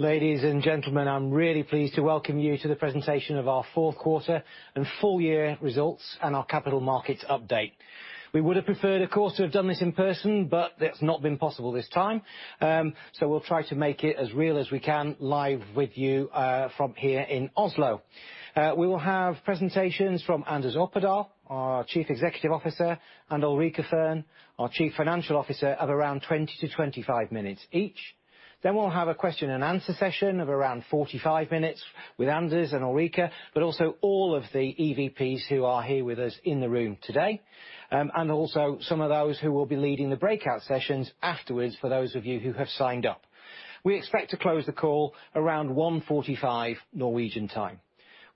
Ladies and gentlemen, I'm really pleased to welcome you to the presentation of our fourth quarter and full year results and our capital markets update. We would have preferred, of course, to have done this in person, but that's not been possible this time. We'll try to make it as real as we can live with you, from here in Oslo. We will have presentations from Anders Opedal, our Chief Executive Officer, and Ulrica Fearn, our Chief Financial Officer, of around 20-25 minutes each. Then we'll have a question and answer session of around 45 minutes with Anders and Ulrica, but also all of the EVPs who are here with us in the room today, and also some of those who will be leading the breakout sessions afterwards for those of you who have signed up. We expect to close the call around 1:45 Norwegian time.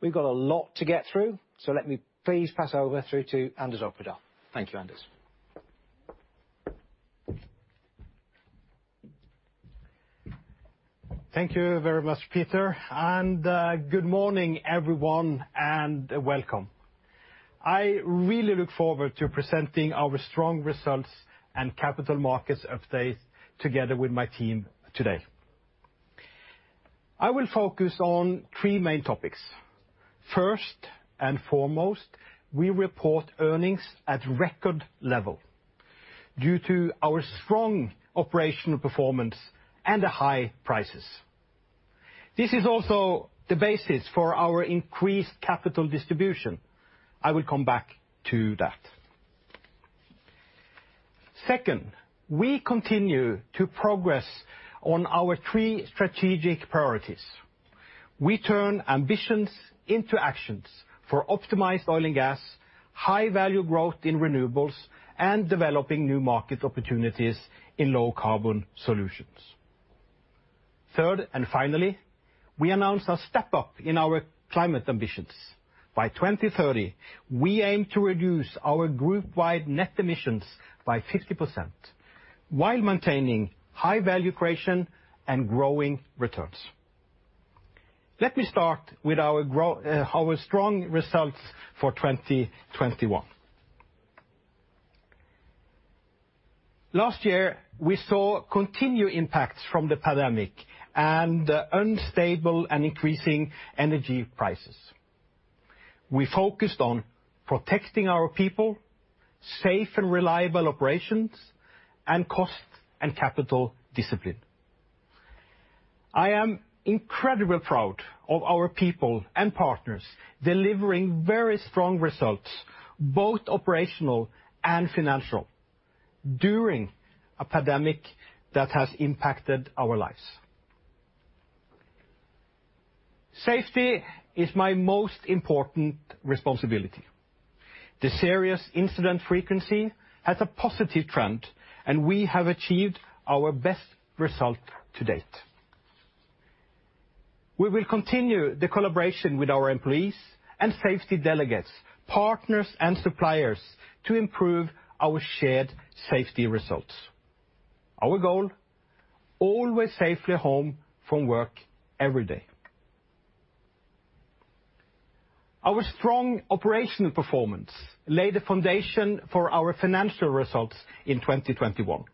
We've got a lot to get through, so let me please pass over to Anders Opedal. Thank you, Anders. Thank you very much, Peter. Good morning, everyone, and welcome. I really look forward to presenting our strong results and capital markets updates together with my team today. I will focus on three main topics. First and foremost, we report earnings at record level due to our strong operational performance and the high prices. This is also the basis for our increased capital distribution. I will come back to that. Second, we continue to progress on our three strategic priorities. We turn ambitions into actions for optimized oil and gas, high value growth in renewables, and developing new market opportunities in low carbon solutions. Third, and finally, we announce a step up in our climate ambitions. By 2030, we aim to reduce our group-wide net emissions by 50% while maintaining high value creation and growing returns. Let me start with our strong results for 2021. Last year, we saw continued impacts from the pandemic and unstable and increasing energy prices. We focused on protecting our people, safe and reliable operations, and cost and capital discipline. I am incredibly proud of our people and partners delivering very strong results, both operational and financial, during a pandemic that has impacted our lives. Safety is my most important responsibility. The serious incident frequency has a positive trend, and we have achieved our best result to date. We will continue the collaboration with our employees and safety delegates, partners, and suppliers to improve our shared safety results. Our goal, always safely home from work every day. Our strong operational performance laid a foundation for our financial results in 2021.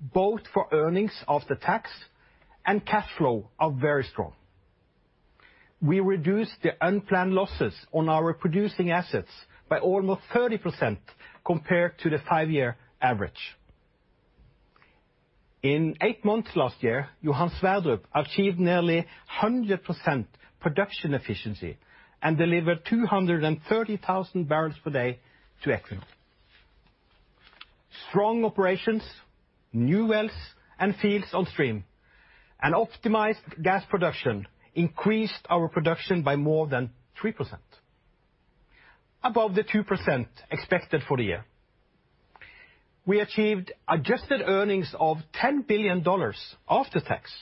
Both for earnings after tax and cash flow are very strong. We reduced the unplanned losses on our producing assets by almost 30% compared to the five-year average. In eight months last year, Johan Sverdrup achieved nearly 100% production efficiency and delivered 230,000 bbl per day to Equinor. Strong operations, new wells and fields on stream, and optimized gas production increased our production by more than 3%, above the 2% expected for the year. We achieved adjusted earnings of $10 billion after tax.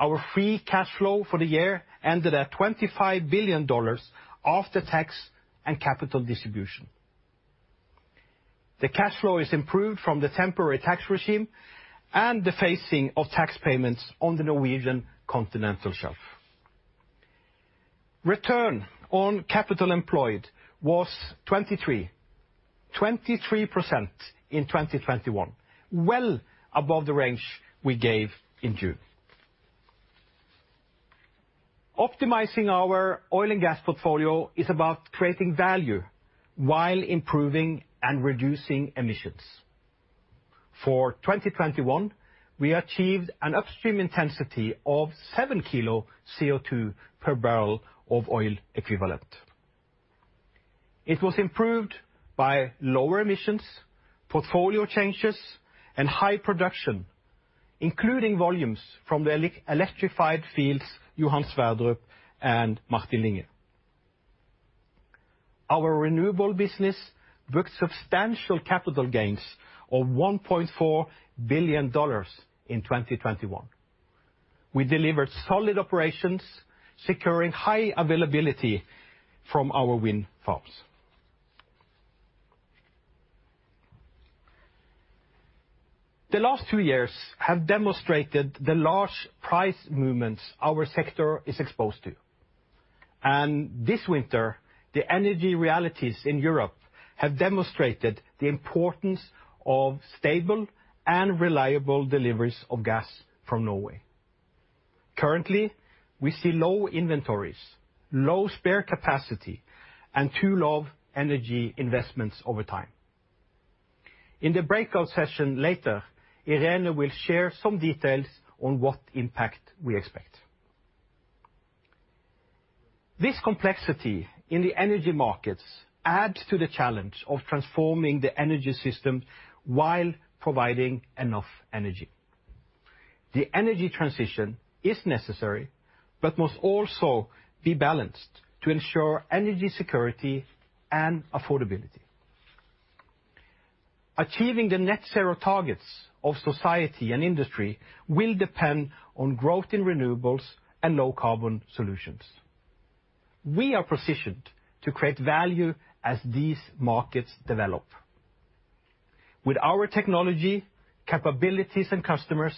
Our free cash flow for the year ended at $25 billion after tax and capital distribution. The cash flow is improved from the temporary tax regime and the phasing of tax payments on the Norwegian Continental Shelf. Return on capital employed was 23% in 2021, well above the range we gave in June. Optimizing our oil and gas portfolio is about creating value while improving and reducing emissions. For 2021, we achieved an upstream intensity of 7 kg CO2 per BOE. It was improved by lower emissions, portfolio changes, and high production, including volumes from the electrified fields, Johan Sverdrup and Martin Linge. Our renewable business booked substantial capital gains of $1.4 billion in 2021. We delivered solid operations, securing high availability from our wind farms. The last two years have demonstrated the large price movements our sector is exposed to. This winter, the energy realities in Europe have demonstrated the importance of stable and reliable deliveries of gas from Norway. Currently, we see low inventories, low spare capacity, and too low energy investments over time. In the breakout session later, Irene will share some details on what impact we expect. This complexity in the energy markets adds to the challenge of transforming the energy system while providing enough energy. The energy transition is necessary, but must also be balanced to ensure energy security and affordability. Achieving the net zero targets of society and industry will depend on growth in renewables and low carbon solutions. We are positioned to create value as these markets develop. With our technology, capabilities, and customers,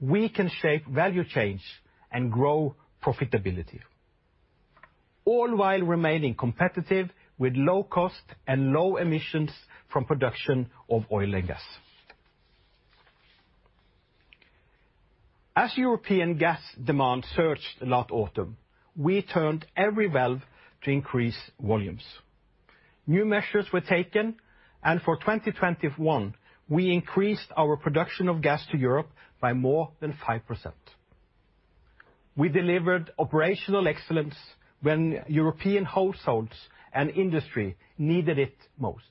we can shape value chain and grow profitability, all while remaining competitive with low cost and low emissions from production of oil and gas. As European gas demand surged last autumn, we turned every valve to increase volumes. New measures were taken, and for 2021, we increased our production of gas to Europe by more than 5%. We delivered operational excellence when European households and industry needed it most.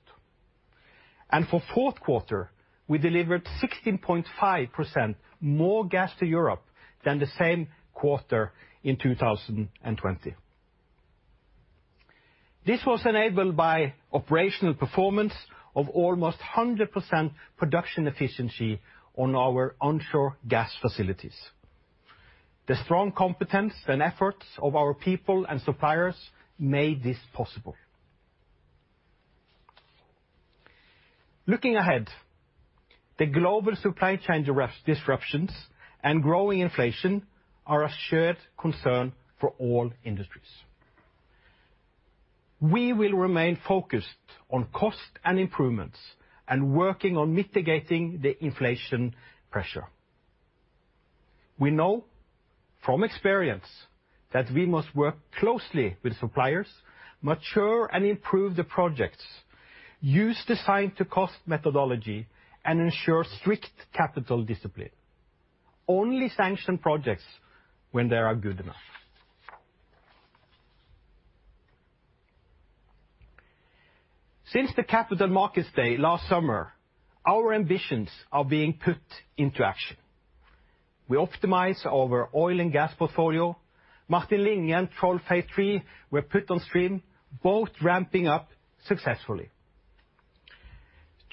For fourth quarter, we delivered 16.5% more gas to Europe than the same quarter in 2020. This was enabled by operational performance of almost 100% production efficiency on our onshore gas facilities. The strong competence and efforts of our people and suppliers made this possible. Looking ahead, the global supply chain disruptions and growing inflation are a shared concern for all industries. We will remain focused on cost and improvements, and working on mitigating the inflation pressure. We know from experience that we must work closely with suppliers, mature and improve the projects, use designed to cost methodology, and ensure strict capital discipline. Only sanction projects when they are good enough. Since the Capital Markets Day last summer, our ambitions are being put into action. We optimize our oil and gas portfolio. Martin Linge and Troll phase III were put on stream, both ramping up successfully.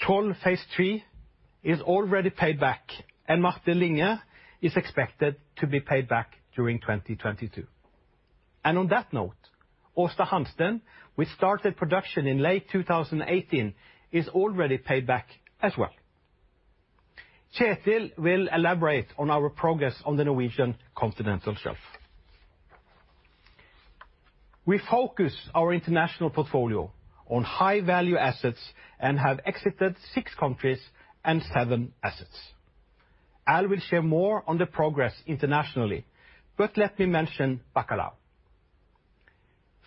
Troll phase III is already paid back, and Martin Linge is expected to be paid back during 2022. On that note, Aasta Hansteen, which started production in late 2018, is already paid back as well. Kjetil will elaborate on our progress on the Norwegian Continental shelf. We focus our international portfolio on high-value assets and have exited six countries and seven assets. Al will share more on the progress internationally, but let me mention Bacalhau.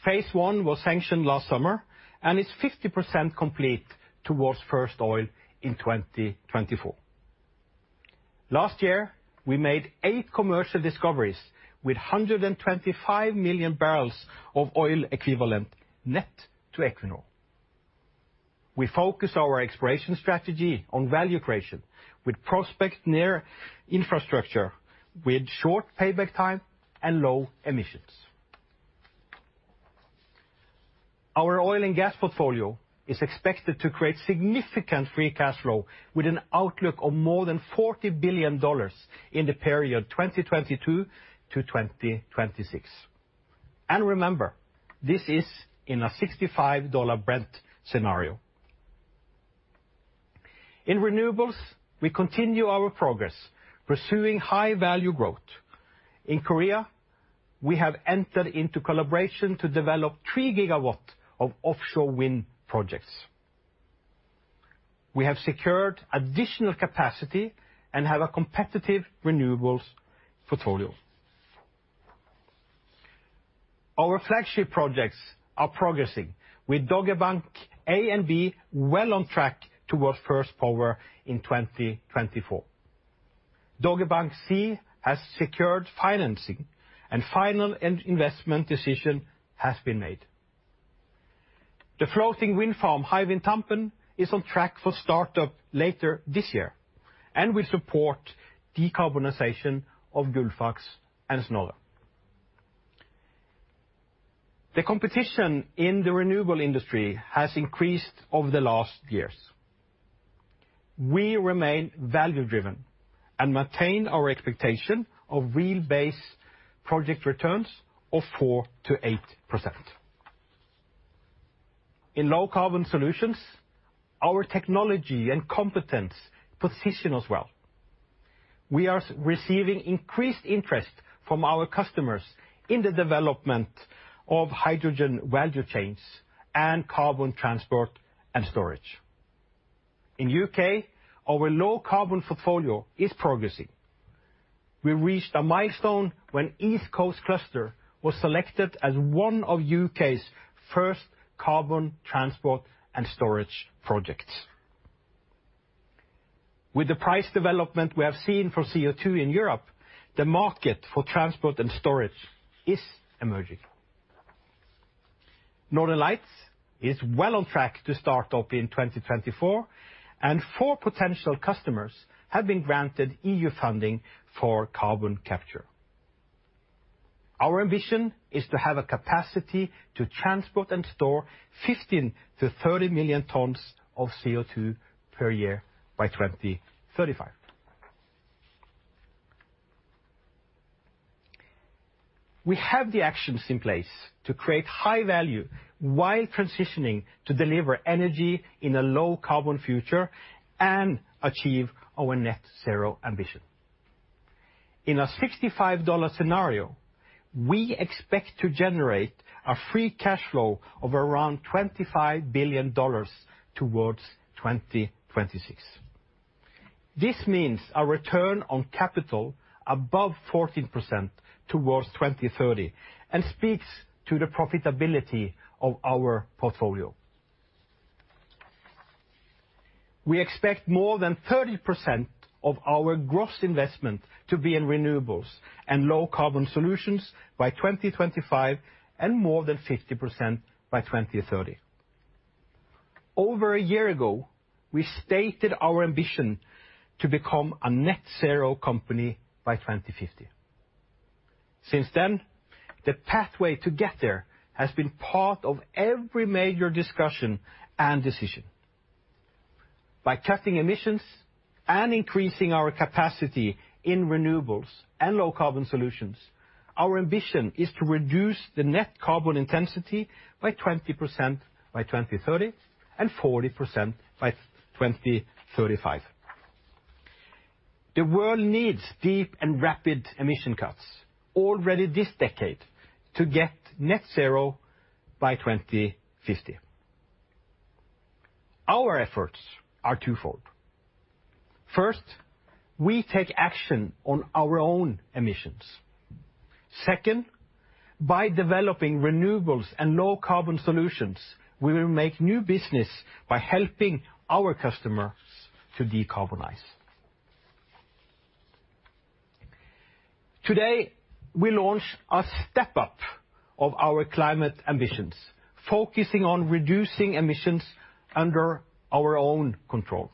phase I was sanctioned last summer and is 50% complete towards first oil in 2024. Last year, we made eight commercial discoveries with 125 million barrels of oil equivalent net to Equinor. We focus our exploration strategy on value creation with prospects near infrastructure, with short payback time and low emissions. Our oil and gas portfolio is expected to create significant free cash flow with an outlook of more than $40 billion in the period 2022-2026. Remember, this is in a $65 Brent scenario. In renewables, we continue our progress, pursuing high-value growth. In Korea, we have entered into collaboration to develop three GW of offshore wind projects. We have secured additional capacity and have a competitive renewables portfolio. Our Flagship projects are progressing, with Dogger Bank A and B well on track towards first power in 2024. Dogger Bank C has secured financing, and final investment decision has been made. The floating wind farm Hywind Tampen is on track for startup later this year and will support decarbonization of Gullfaks and Snøhvit. The competition in the renewable industry has increased over the last years. We remain value-driven and maintain our expectation of real base project returns of 4% to 8%. In low carbon solutions, our technology and competence position us well. We are receiving increased interest from our customers in the development of hydrogen value chains and carbon transport and storage. In U.K., our low carbon portfolio is progressing. We reached a milestone when East Coast Cluster was selected as one of U.K.'s first carbon transport and storage projects. With the price development we have seen for CO2 in Europe, the market for transport and storage is emerging. Northern Lights is well on track to start up in 2024, and four potential customers have been granted EU funding for carbon capture. Our ambition is to have a capacity to transport and store 15-30 million tons of CO2 per year by 2035. We have the actions in place to create high value while transitioning to deliver energy in a low carbon future and achieve our net zero ambition. In a $65 scenario, we expect to generate a free cash flow of around $25 billion toward 2026. This means our return on capital above 14% toward 2030 and speaks to the profitability of our portfolio. We expect more than 30% of our gross investment to be in renewables and low carbon solutions by 2025 and more than 50% by 2030. Over a year ago, we stated our ambition to become a net zero company by 2050. Since then, the pathway to get there has been part of every major discussion and decision. By cutting emissions and increasing our capacity in renewables and low carbon solutions, our ambition is to reduce the net carbon intensity by 20% by 2030 and 40% by 2035. The world needs deep and rapid emission cuts already this decade to get net zero by 2050. Our efforts are twofold. First, we take action on our own emissions. Second, by developing renewables and low carbon solutions, we will make new business by helping our customers to decarbonize. Today, we launch a step up of our climate ambitions, focusing on reducing emissions under our own control.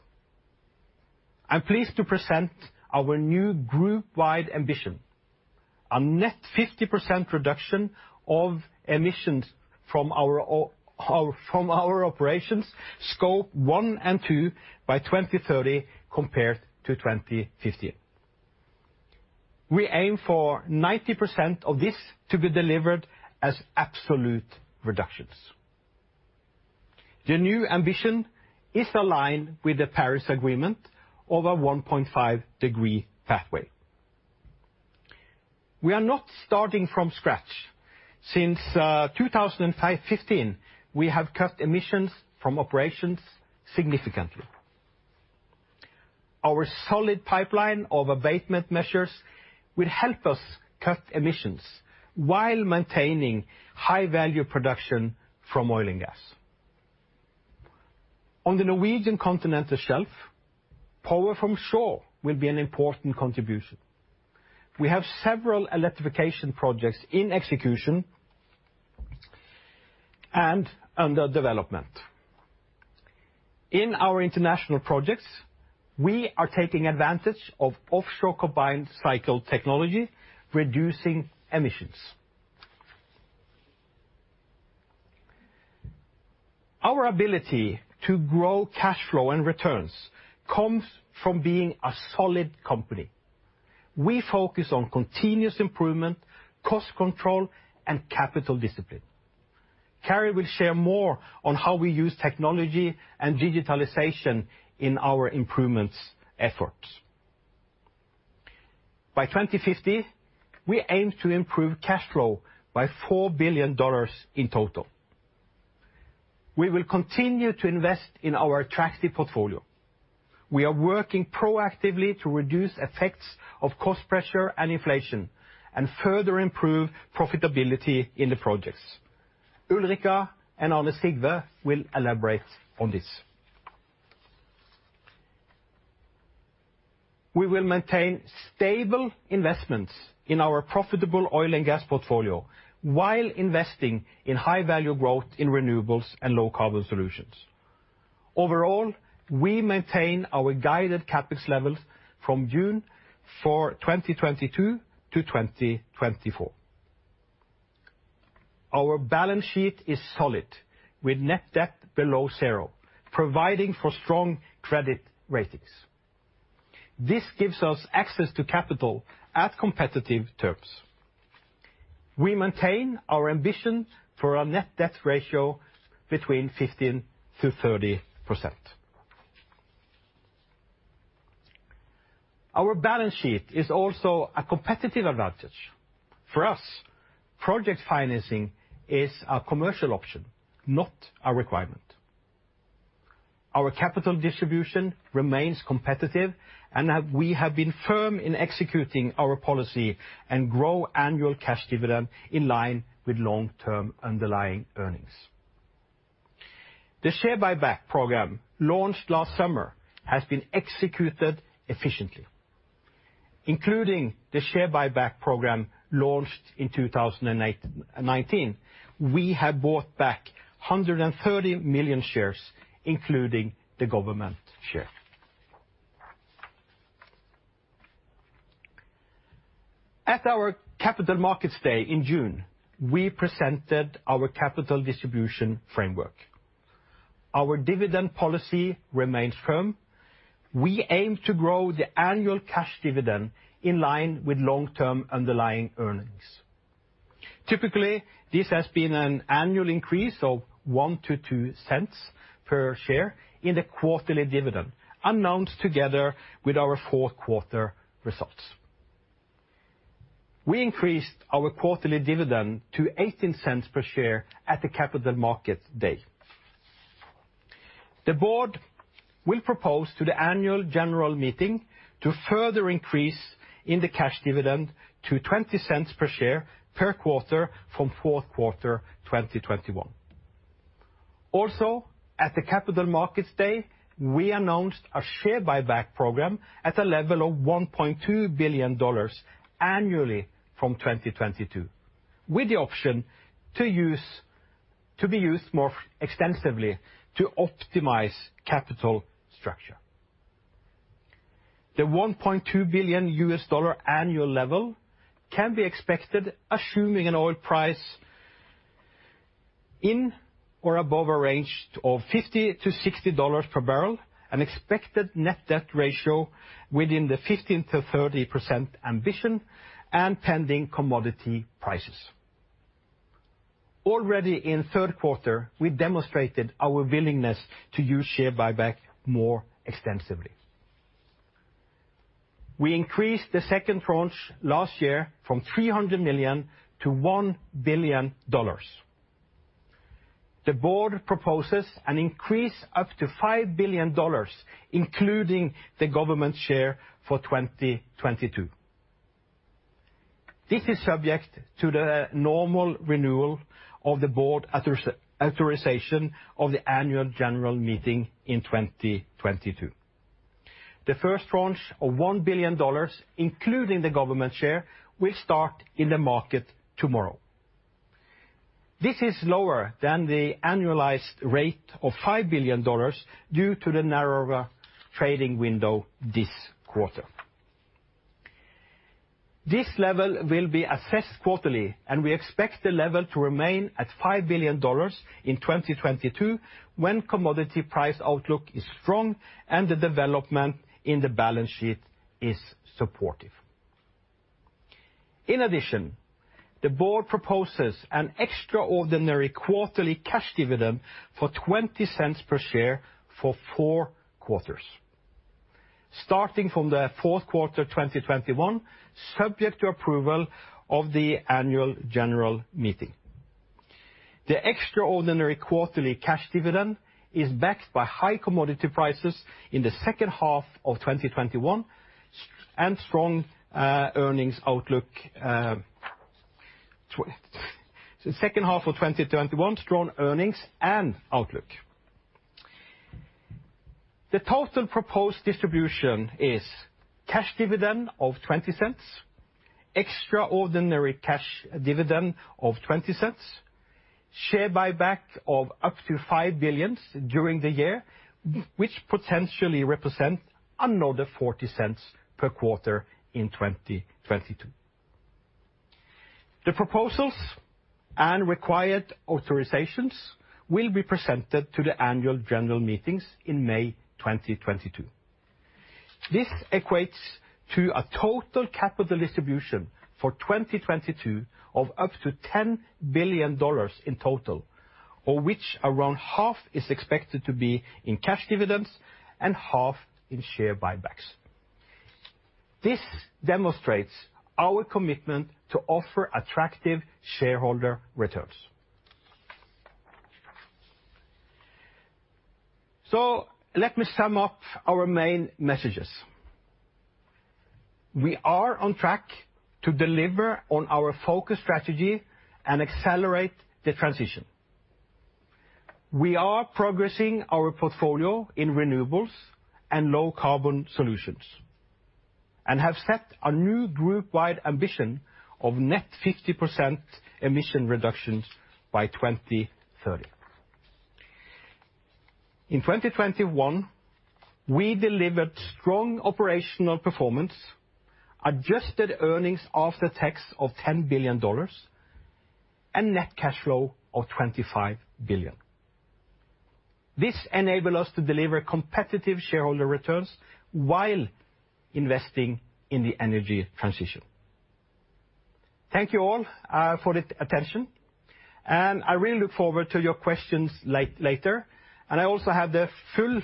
I'm pleased to present our new group-wide ambition, a net 50% reduction of emissions from our operations, Scope 1 and 2 by 2030 compared to 2015. We aim for 90% of this to be delivered as absolute reductions. The new ambition is aligned with the Paris Agreement of a 1.5 degree pathway. We are not starting from scratch. Since 2015, we have cut emissions from operations significantly. Our solid pipeline of abatement measures will help us cut emissions while maintaining high-value production from oil and gas. On the Norwegian continental shelf, power from shore will be an important contribution. We have several electrification projects in execution and under development. In our international projects, we are taking advantage of offshore combined cycle technology, reducing emissions. Our ability to grow cash flow and returns comes from being a solid company. We focus on continuous improvement, cost control, and capital discipline. Arne will share more on how we use technology and digitalization in our improvements efforts. By 2050, we aim to improve cash flow by $4 billion in total. We will continue to invest in our attractive portfolio. We are working proactively to reduce effects of cost pressure and inflation and further improve profitability in the projects. Ulrica and Arne Sigve will elaborate on this. We will maintain stable investments in our profitable oil and gas portfolio while investing in high-value growth in renewables and low carbon solutions. Overall, we maintain our guided CapEx levels from June for 2022-2024. Our balance sheet is solid with net debt below zero, providing for strong credit ratings. This gives us access to capital at competitive terms. We maintain our ambition for our net debt ratio between 15%-30%. Our balance sheet is also a competitive advantage. For us, project financing is a commercial option, not a requirement. Our capital distribution remains competitive, and we have been firm in executing our policy and grow annual cash dividend in line with long-term underlying earnings. The share buyback program launched last summer has been executed efficiently. Including the share buyback program launched in 2008 and 2019, we have bought back 130 million shares, including the government share. At our Capital Markets Day in June, we presented our capital distribution framework. Our dividend policy remains firm. We aim to grow the annual cash dividend in line with long-term underlying earnings. Typically, this has been an annual increase of $0.01-$0.02 per share in the quarterly dividend, announced together with our fourth quarter results. We increased our quarterly dividend to $0.18 per share at the Capital Markets Day. The board will propose to the annual general meeting to further increase the cash dividend to $0.20 per share per quarter from Q4 2021. At the Capital Markets Day, we announced a share buyback program at a level of $1.2 billion annually from 2022, with the option to be used more extensively to optimize capital structure. The $1.2 billion annual level can be expected assuming an oil price in or above a range of $50-$60 per barrel, an expected net debt ratio within the 15% to 30% ambition, and pending commodity prices. In Q3, we demonstrated our willingness to use share buyback more extensively. We increased the second tranche last year from $300 million to $1 billion. The board proposes an increase up to $5 billion, including the government share for 2022. This is subject to the normal renewal of the board authorization of the annual general meeting in 2022. The first tranche of $1 billion, including the government share, will start in the market tomorrow. This is lower than the annualized rate of $5 billion due to the narrower trading window this quarter. This level will be assessed quarterly, and we expect the level to remain at $5 billion in 2022 when commodity price outlook is strong and the development in the balance sheet is supportive. In addition, the board proposes an extraordinary quarterly cash dividend of $0.20 per share for four quarters, starting from the fourth quarter 2021, subject to approval of the annual general meeting. The extraordinary quarterly cash dividend is backed by high commodity prices in the second half of 2021 and strong earnings outlook for the second half of 2021. The total proposed distribution is cash dividend of $0.20, extraordinary cash dividend of $0.20, share buyback of up to $5 billion during the year, which potentially represents another $0.40 per quarter in 2022. The proposals and required authorizations will be presented to the annual general meetings in May 2022. This equates to a total capital distribution for 2022 of up to $10 billion in total, of which around half is expected to be in cash dividends and half in share buybacks. This demonstrates our commitment to offer attractive shareholder returns. Let me sum up our main messages. We are on track to deliver on our focus strategy and accelerate the transition. We are progressing our portfolio in renewables and low-carbon solutions and have set a new group-wide ambition of net 50% emission reductions by 2030. In 2021, we delivered strong operational performance, adjusted earnings after tax of $10 billion, and net cash flow of $25 billion. This enable us to deliver competitive shareholder returns while investing in the energy transition. Thank you all for the attention, and I really look forward to your questions later. I also have the full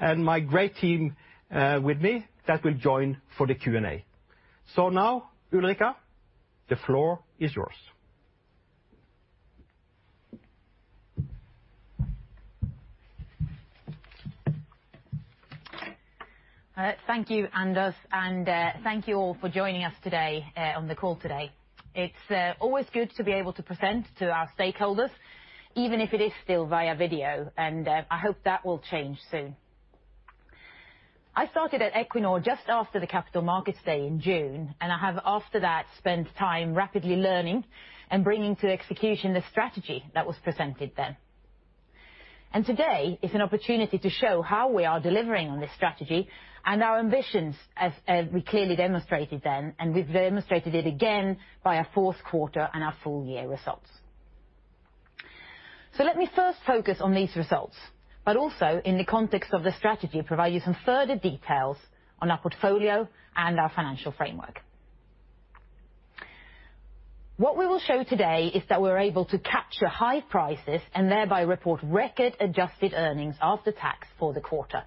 and my great team with me that will join for the Q&A. Now, Ulrica, the floor is yours. All right, thank you, Anders, and thank you all for joining us today on the call today. It's always good to be able to present to our stakeholders, even if it is still via video, and I hope that will change soon. I started at Equinor just after the Capital Markets Week in June, and I have, after that, spent time rapidly learning and bringing to execution the strategy that was presented then. Today is an opportunity to show how we are delivering on this strategy and our ambitions, as we clearly demonstrated then, and we've demonstrated it again by our fourth quarter and our full year results. Let me first focus on these results, but also, in the context of the strategy, provide you some further details on our portfolio and our financial framework. What we will show today is that we're able to capture high prices and thereby report record adjusted earnings after tax for the quarter.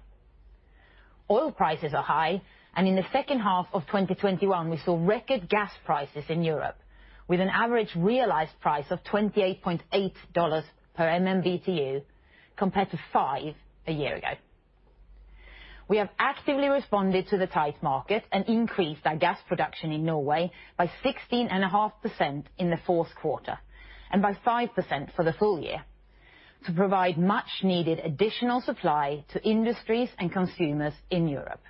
Oil prices are high, and in the second half of 2021, we saw record gas prices in Europe, with an average realized price of $28.8 per MMBtu compared to $5 a year ago. We have actively responded to the tight market and increased our gas production in Norway by 16.5% in the fourth quarter, and by 5% for the full year, to provide much needed additional supply to industries and consumers in Europe.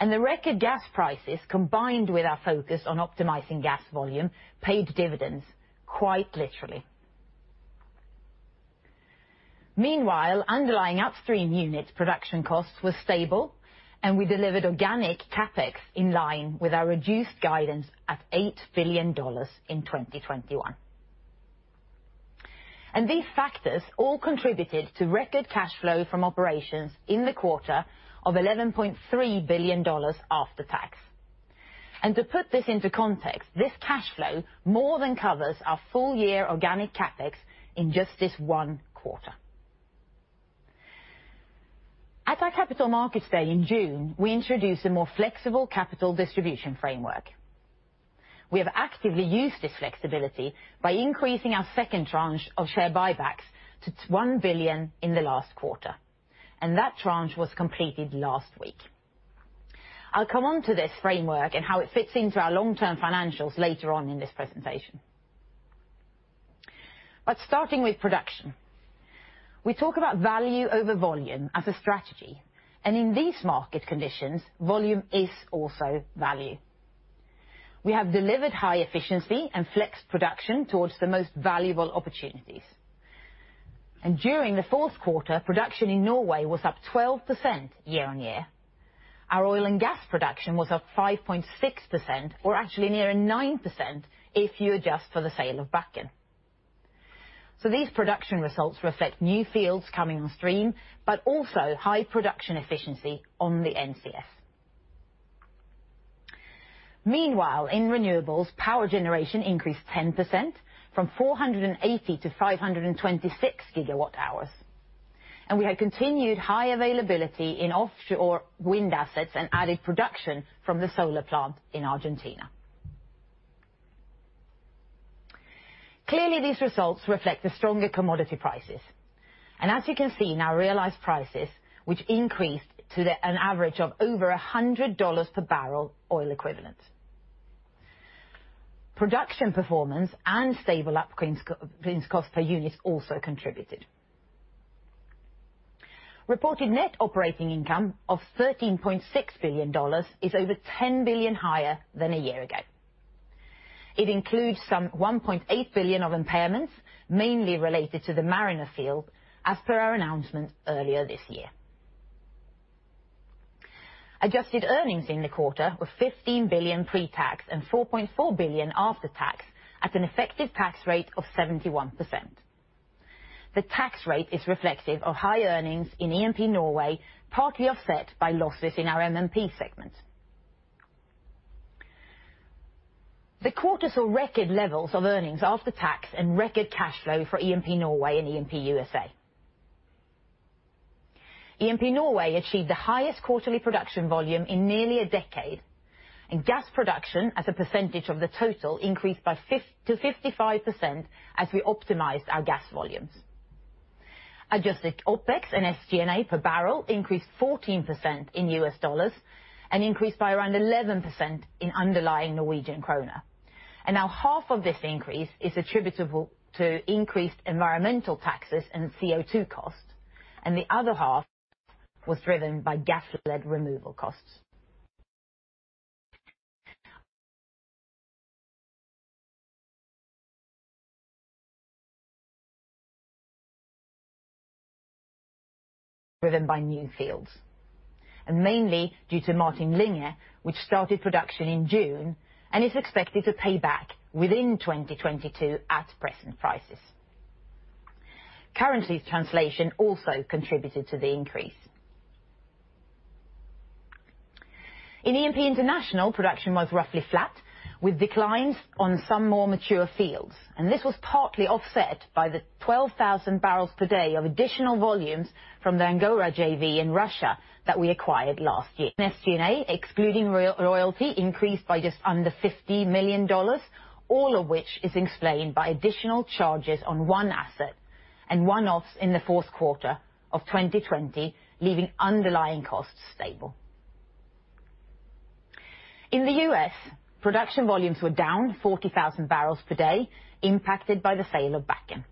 The record gas prices, combined with our focus on optimizing gas volume, paid dividends, quite literally. Meanwhile, underlying upstream units production costs were stable, and we delivered organic CapEx in line with our reduced guidance at $8 billion in 2021. These factors all contributed to record cash flow from operations in the quarter of $11.3 billion after tax. To put this into context, this cash flow more than covers our full year organic CapEx in just this one quarter. At our Capital Markets Day in June, we introduced a more flexible capital distribution framework. We have actively used this flexibility by increasing our second tranche of share buybacks to $1 billion in the last quarter, and that tranche was completed last week. I'll come on to this framework and how it fits into our long-term financials later on in this presentation. Starting with production. We talk about value over volume as a strategy, and in these market conditions, volume is also value. We have delivered high efficiency and flexed production towards the most valuable opportunities. During the fourth quarter, production in Norway was up 12% year-on-year. Our oil and gas production was up 5.6%, or actually nearer 9% if you adjust for the sale of Bakken. These production results reflect new fields coming on stream, but also high production efficiency on the NCS. Meanwhile, in renewables, power generation increased 10% from 480 to 526 GWh, and we had continued high availability in offshore wind assets and added production from the solar plant in Argentina. Clearly, these results reflect the stronger commodity prices. As you can see in our realized prices, which increased to an average of over $100 per barrel of oil equivalent. Production performance and stable clean cost per unit also contributed. Reported net operating income of $13.6 billion is over $10 billion higher than a year ago. It includes some $1.8 billion of impairments, mainly related to the Mariner field, as per our announcement earlier this year. Adjusted earnings in the quarter were $15 billion pre-tax and $4.4 billion after tax at an effective tax rate of 71%. The tax rate is reflective of high earnings in E&P Norway, partly offset by losses in our MMP segment. The quarter saw record levels of earnings after tax and record cash flow for E&P Norway and E&P U.S.A., E&P Norway achieved the highest quarterly production volume in nearly a decade, and gas production as a percentage of the total increased to 55% as we optimized our gas volumes. Adjusted OpEx and SG&A per barrel increased 14% in U.S. dollars and increased by around 11% in underlying Norwegian kroner. Now half of this increase is attributable to increased environmental taxes and CO2 costs, and the other half was driven by gas plant removal costs, driven by new fields and mainly due to Martin Linge, which started production in June and is expected to pay back within 2022 at present prices. Currency translation also contributed to the increase. In E&P International, production was roughly flat, with declines on some more mature fields, and this was partly offset by the 12,000 bbl per day of additional volumes from the Angara JV in Russia that we acquired last year. SG&A, excluding royalty, increased by just under $50 million, all of which is explained by additional charges on one asset and one-offs in the fourth quarter of 2020, leaving underlying costs stable. In the U.S., production volumes were down 40,000 bbl per day, impacted by the sale of Bakken.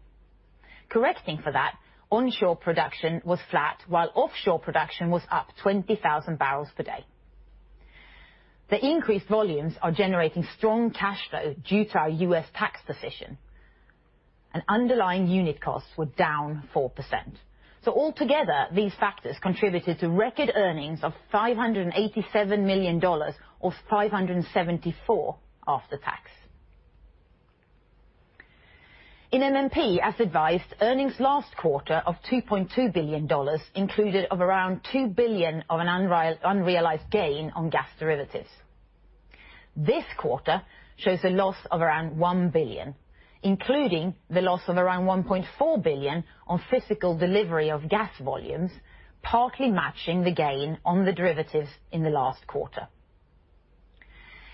Correcting for that, onshore production was flat, while offshore production was up 20,000 bbl per day. The increased volumes are generating strong cash flow due to our U.S. tax position, and underlying unit costs were down 4%. Altogether, these factors contributed to record earnings of $587 million, of $574 million after tax. In MMP, as advised, earnings last quarter of $2.2 billion included of around $2 billion of an unrealized gain on gas derivatives. This quarter shows a loss of around $1 billion, including the loss of around $1.4 billion on physical delivery of gas volumes, partly matching the gain on the derivatives in the last quarter.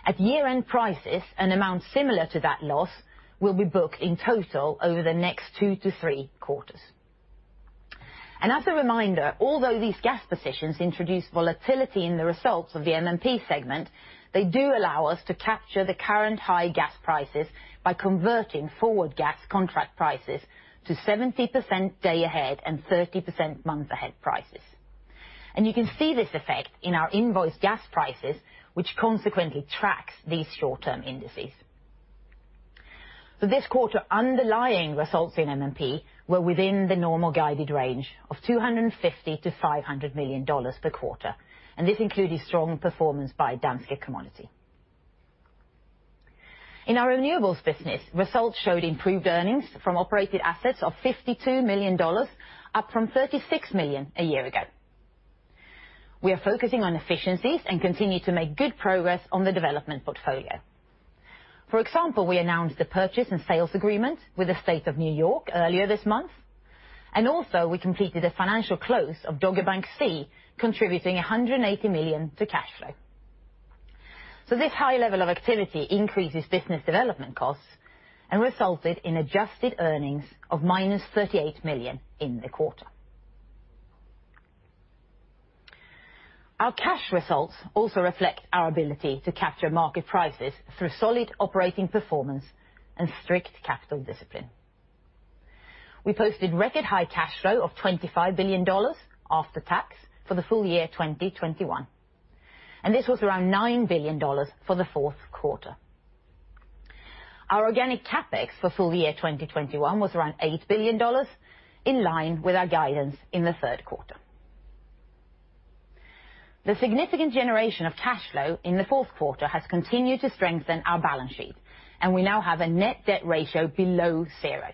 At year-end prices, an amount similar to that loss will be booked in total over the next two to three quarters. As a reminder, although these gas positions introduce volatility in the results of the MMP segment, they do allow us to capture the current high gas prices by converting forward gas contract prices to 70% day-ahead and 30% month-ahead prices. You can see this effect in our invoice gas prices, which consequently tracks these short-term indices. This quarter, underlying results in MMP were within the normal guided range of $250 million-$500 million per quarter, and this included strong performance by Danske Commodities. In our renewables business, results showed improved earnings from operated assets of $52 million, up from $36 million a year ago. We are focusing on efficiencies and continue to make good progress on the development portfolio. For example, we announced the purchase and sale agreement with the State of New York earlier this month, and also we completed a financial close of Dogger Bank C, contributing $180 million to cash flow. This high level of activity increases business development costs and resulted in adjusted earnings of -$38 million in the quarter. Our cash results also reflect our ability to capture market prices through solid operating performance and strict capital discipline. We posted record high cash flow of $25 billion after tax for the full year 2021, and this was around $9 billion for the fourth quarter. Our organic CapEx for full year 2021 was around $8 billion, in line with our guidance in the third quarter. The significant generation of cash flow in the fourth quarter has continued to strengthen our balance sheet, and we now have a net debt ratio below 0%.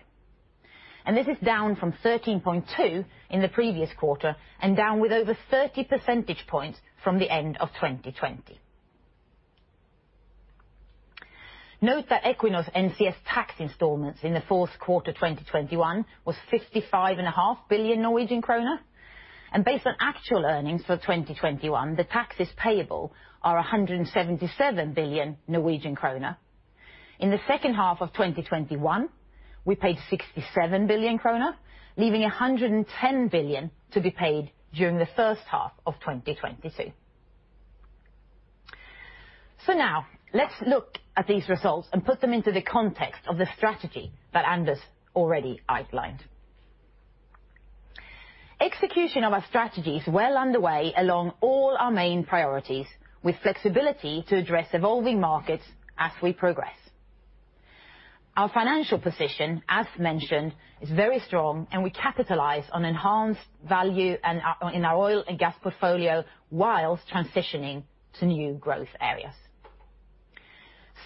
This is down from 13.2% in the previous quarter and down with over 30 percentage points from the end of 2020. Note that Equinor's NCS tax installments in the fourth quarter 2021 was 55.5 billion Norwegian kroner. Based on actual earnings for 2021, the taxes payable are 177 billion Norwegian kroner. In the second half of 2021, we paid 67 billion kroner, leaving 110 billion to be paid during the first half of 2022. Now let's look at these results and put them into the context of the strategy that Anders already outlined. Execution of our strategy is well underway along all our main priorities, with flexibility to address evolving markets as we progress. Our financial position, as mentioned, is very strong, and we capitalize on enhanced value and in our oil and gas portfolio while transitioning to new growth areas.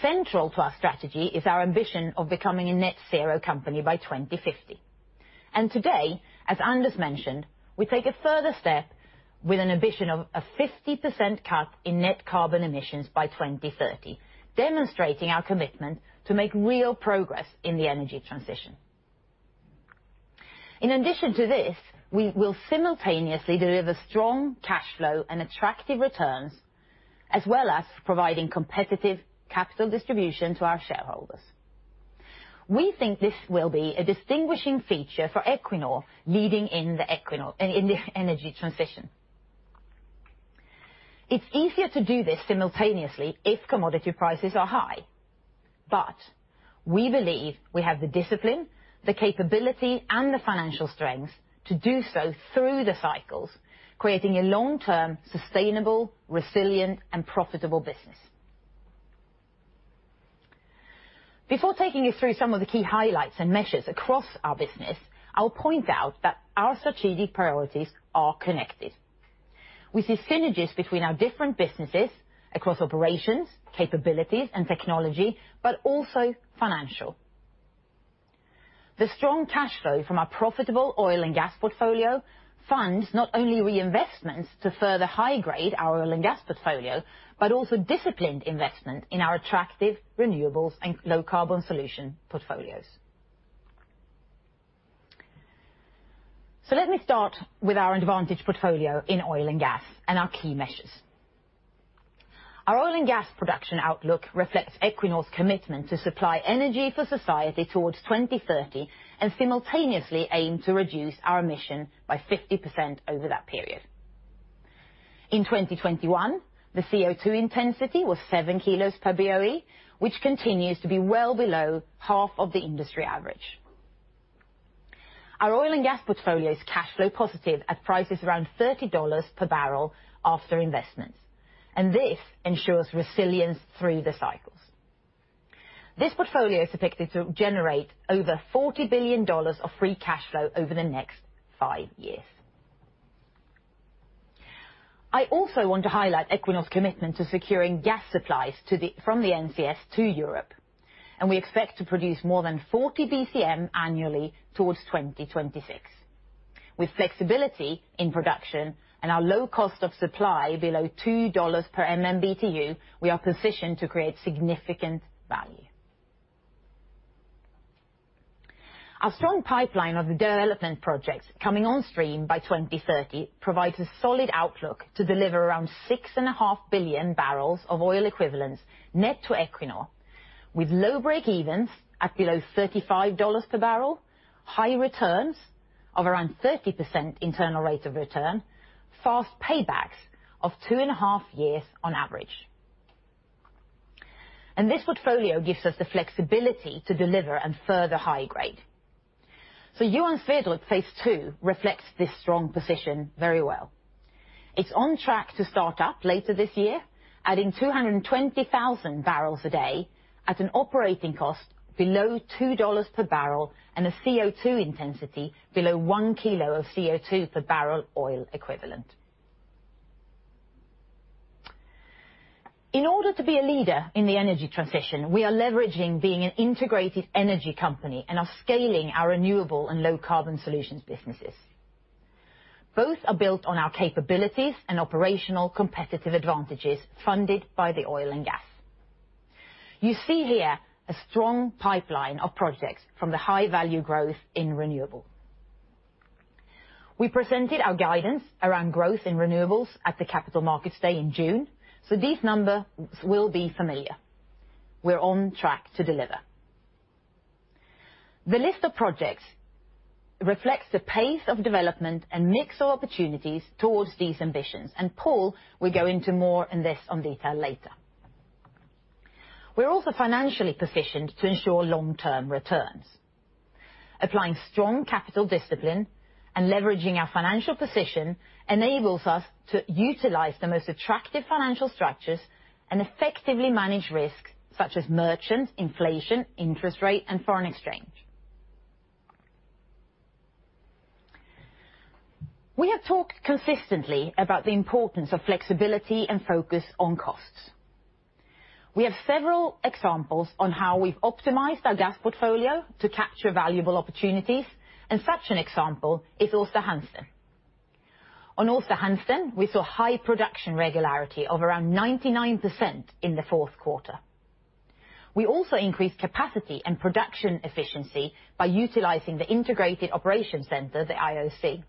Central to our strategy is our ambition of becoming a net zero company by 2050. Today, as Anders mentioned, we take a further step with an ambition of a 50% cut in net carbon emissions by 2030, demonstrating our commitment to make real progress in the energy transition. In addition to this, we will simultaneously deliver strong cash flow and attractive returns, as well as providing competitive capital distribution to our shareholders. We think this will be a distinguishing feature for Equinor leading in the energy transition. It's easier to do this simultaneously if commodity prices are high. We believe we have the discipline, the capability, and the financial strength to do so through the cycles, creating a long-term, sustainable, resilient, and profitable business. Before taking you through some of the key highlights and measures across our business, I'll point out that our strategic priorities are connected. We see synergies between our different businesses across operations, capabilities, and technology, but also financial. The strong cash flow from our profitable oil and gas portfolio funds not only reinvestments to further high-grade our oil and gas portfolio, but also disciplined investment in our attractive renewables and low carbon solution portfolios. Let me start with our advantage portfolio in oil and gas and our key measures. Our oil and gas production outlook reflects Equinor's commitment to supply energy for society toward 2030, and simultaneously aim to reduce our emission by 50% over that period. In 2021, the CO2 intensity was 7 kg per BOE, which continues to be well below half of the industry average. Our oil and gas portfolio is cash flow positive at prices around $30 per barrel after investments, and this ensures resilience through the cycles. This portfolio is expected to generate over $40 billion of free cash flow over the next five years. I also want to highlight Equinor's commitment to securing gas supplies from the NCS to Europe, and we expect to produce more than 40 BCM annually towards 2026. With flexibility in production and our low cost of supply below $2 per MMBtu, we are positioned to create significant value. Our strong pipeline of development projects coming on stream by 2030 provides a solid outlook to deliver around 6.5 billion barrels of oil equivalents net to Equinor, with low breakevens at below $35 per barrel, high returns of around 30% internal rate of return, fast paybacks of 2.5 years on average. This portfolio gives us the flexibility to deliver and further high grade. Johan Sverdrup phase II reflects this strong position very well. It's on track to start up later this year, adding 220,000 bbl a day at an operating cost below $2 per barrel and a CO2 intensity below 1 kg of CO2 per barrel of oil equivalent. In order to be a leader in the energy transition, we are leveraging being an integrated energy company and are scaling our renewable and low carbon solutions businesses. Both are built on our capabilities and operational competitive advantages funded by the oil and gas. You see here a strong pipeline of projects from the high value growth in renewables. We presented our guidance around growth in renewables at the Capital Markets Day in June, so these numbers will be familiar. We're on track to deliver. The list of projects reflects the pace of development and mix of opportunities towards these ambitions. Pål will go into more into this in detail later. We're also financially positioned to ensure long-term returns. Applying strong capital discipline and leveraging our financial position enables us to utilize the most attractive financial structures and effectively manage risks such as markets, inflation, interest rate, and foreign exchange. We have talked consistently about the importance of flexibility and focus on costs. We have several examples on how we've optimized our gas portfolio to capture valuable opportunities, and such an example is Aasta Hansteen. On Aasta Hansteen, we saw high production regularity of around 99% in the fourth quarter. We also increased capacity and production efficiency by utilizing the Integrated Operations Center, the IOC.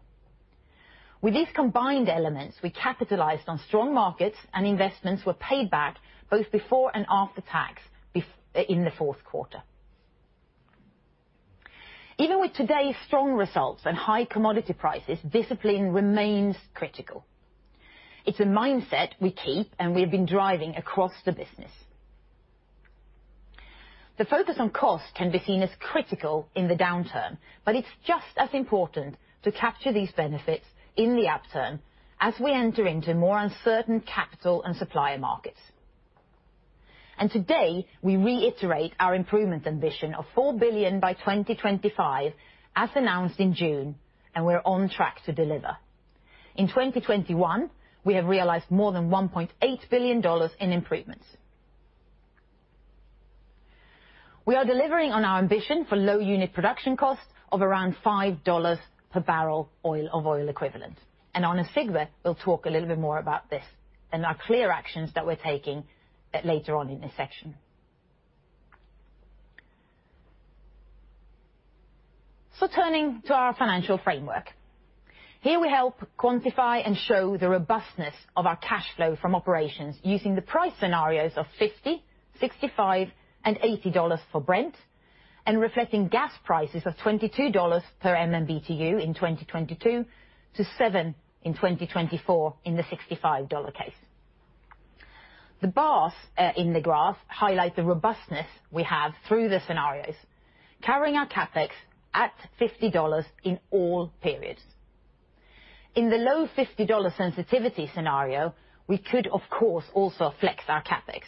With these combined elements, we capitalized on strong markets, and investments were paid back both before and after tax in the fourth quarter. Even with today's strong results and high commodity prices, discipline remains critical. It's a mindset we keep and we've been driving across the business. The focus on cost can be seen as critical in the downturn, but it's just as important to capture these benefits in the upturn as we enter into more uncertain capital and supplier markets. Today, we reiterate our improvement ambition of $4 billion by 2025, as announced in June, and we're on track to deliver. In 2021, we have realized more than $1.8 billion in improvements. We are delivering on our ambition for low unit production costs of around $5 per barrel of oil equivalent. Arne Sigve, we'll talk a little bit more about this and our clear actions that we're taking later on in this section. Turning to our financial framework. Here we help quantify and show the robustness of our cash flow from operations using the price scenarios of $50, $65, and $80 for Brent and reflecting gas prices of $22 per MMBtu in 2022 to 2027 in 2024 in the $65 case. The bars in the graph highlight the robustness we have through the scenarios, carrying our CapEx at $50 in all periods. In the low $50 sensitivity scenario, we could, of course, also flex our CapEx,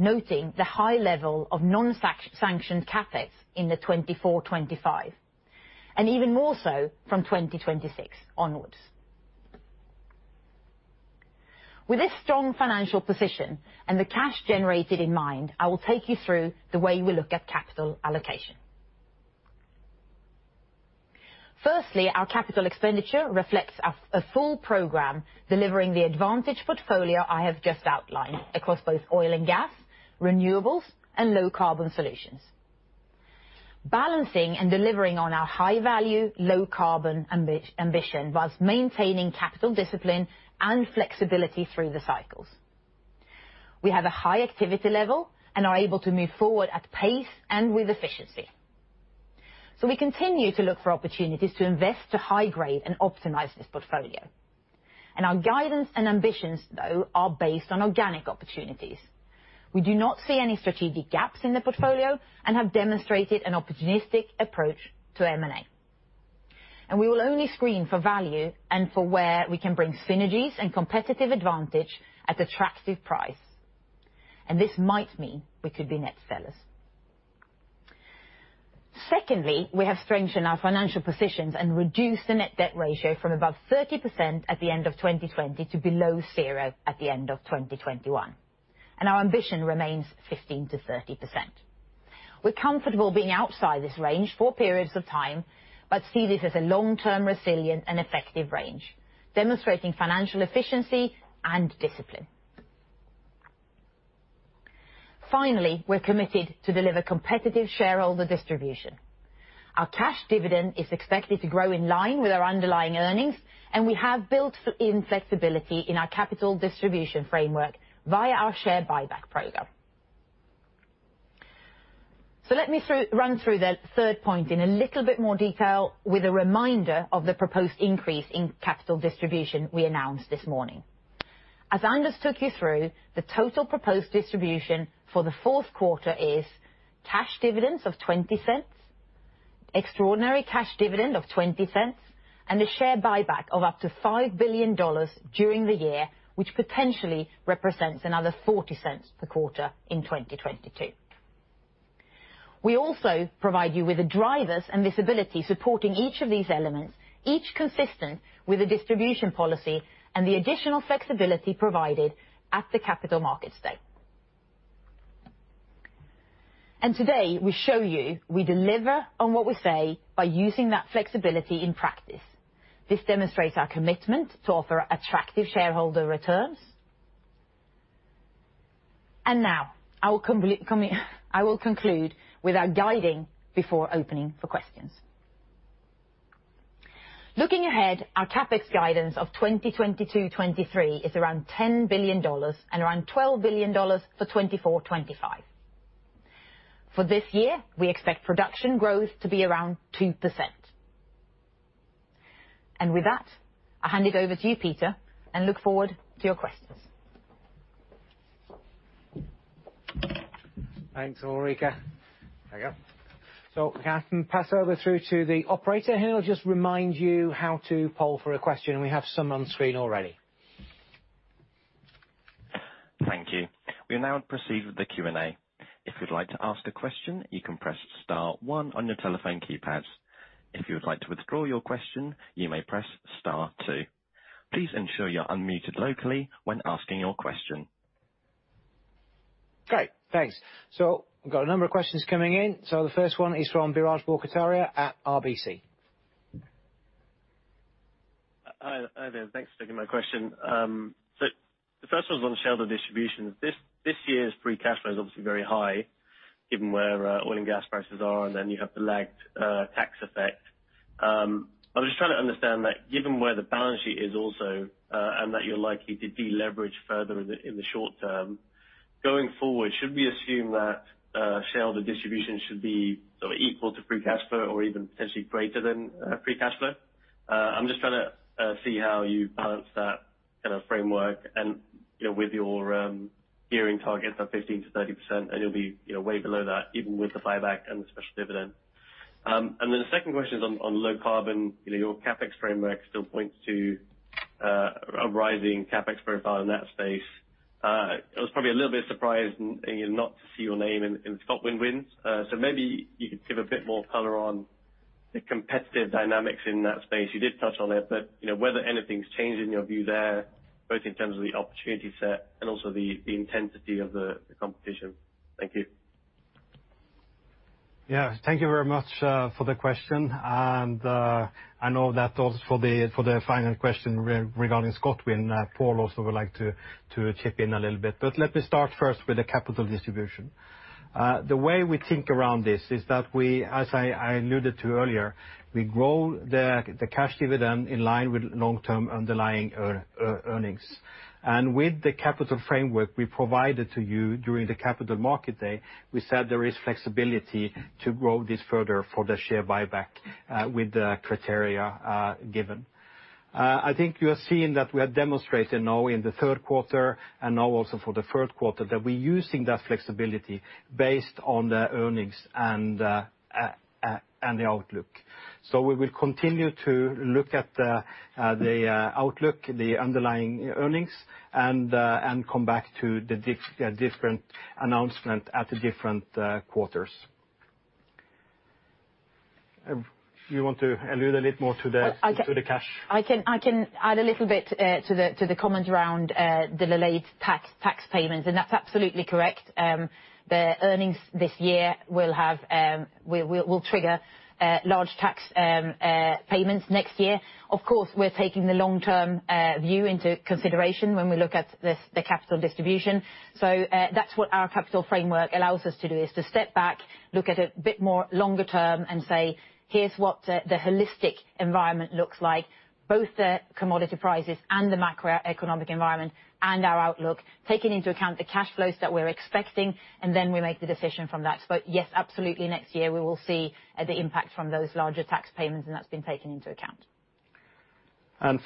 noting the high level of non-sanctioned CapEx in the 2024, 2025, and even more so from 2026 onwards. With this strong financial position and the cash generated in mind, I will take you through the way we look at capital allocation. Firstly, our capital expenditure reflects a full program delivering the advantage portfolio I have just outlined across both oil and gas, renewables, and low carbon solutions. Balancing and delivering on our high value, low carbon ambition, while maintaining capital discipline and flexibility through the cycles. We have a high activity level and are able to move forward at pace and with efficiency. We continue to look for opportunities to invest to high grade and optimize this portfolio. Our guidance and ambitions, though, are based on organic opportunities. We do not see any strategic gaps in the portfolio and have demonstrated an opportunistic approach to M&A. We will only screen for value and for where we can bring synergies and competitive advantage at attractive price. This might mean we could be net sellers. Secondly, we have strengthened our financial positions and reduced the net debt ratio from above 30% at the end of 2020 to below 0% at the end of 2021. Our ambition remains 15%-30%. We're comfortable being outside this range for periods of time, but see this as a long-term resilient and effective range, demonstrating financial efficiency and discipline. Finally, we're committed to deliver competitive shareholder distribution. Our cash dividend is expected to grow in line with our underlying earnings, and we have built financial flexibility in our capital distribution framework via our share buyback program. Let me run through the third point in a little bit more detail with a reminder of the proposed increase in capital distribution we announced this morning. As Anders took you through, the total proposed distribution for the fourth quarter is cash dividends of $0.20, extraordinary cash dividend of $0.20, and a share buyback of up to $5 billion during the year, which potentially represents another $0.40 per quarter in 2022. We also provide you with the drivers and visibility supporting each of these elements, each consistent with the distribution policy and the additional flexibility provided at the Capital Markets Day. Today, we show you we deliver on what we say by using that flexibility in practice. This demonstrates our commitment to offer attractive shareholder returns. Now I will conclude with our guidance before opening for questions. Looking ahead, our CapEx guidance of 2022-2023 is around $10 billion and around $12 billion for 2025. For this year, we expect production growth to be around 2%. With that, I'll hand it over to you, Peter, and look forward to your questions. Thanks, Ulrica. There we go. If I can pass over through to the operator, who will just remind you how to poll for a question. We have some on screen already. Thank you. We now proceed with the Q&A. If you'd like to ask a question, you can press star one on your telephone keypads. If you would like to withdraw your question, you may press star two. Please ensure you're unmuted locally when asking your question. Great. Thanks. We've got a number of questions coming in. The first one is from Biraj Borkhataria at RBC. Hi there. Thanks for taking my question. The first one's on shareholder distributions. This year's free cash flow is obviously very high given where oil and gas prices are, and then you have the lagged tax effect. I'm just trying to understand that given where the balance sheet is also, and that you're likely to deleverage further in the short term going forward, should we assume that shareholder distribution should be sort of equal to free cash flow or even potentially greater than free cash flow? I'm just trying to see how you balance that kind of framework and, you know, with your gearing targets are 15%-30%, and you'll be, you know, way below that, even with the buyback and the special dividend. The second question is on low carbon. You know, your CapEx framework still points to a rising CapEx profile in that space. I was probably a little bit surprised, you know, not to see your name in ScotWind wins. Maybe you could give a bit more color on the competitive dynamics in that space. You did touch on it, but you know, whether anything's changed in your view there, both in terms of the opportunity set and also the intensity of the competition. Thank you. Yeah, thank you very much for the question. I know that also for the final question regarding ScotWind, Pål also would like to chip in a little bit. Let me start first with the capital distribution. The way we think around this is that we, as I alluded to earlier, grow the cash dividend in line with long-term underlying earnings. With the capital framework we provided to you during the capital market day, we said there is flexibility to grow this further for the share buyback with the criteria given. I think you are seeing that we are demonstrating now in the third quarter and now also for the third quarter that we're using that flexibility based on the earnings and the outlook. We will continue to look at the outlook, the underlying earnings, and come back to the different announcement at the different quarters. You want to allude a little more to the to the cash? I can add a little bit to the comment around the delayed tax payment, and that's absolutely correct. The earnings this year will trigger large tax payments next year. Of course, we're taking the long-term view into consideration when we look at the capital distribution. That's what our capital framework allows us to do, is to step back, look at it a bit more longer term and say, "Here's what the holistic environment looks like, both the commodity prices and the macroeconomic environment and our outlook, taking into account the cash flows that we're expecting," and then we make the decision from that. Yes, absolutely, next year we will see the impact from those larger tax payments, and that's been taken into account.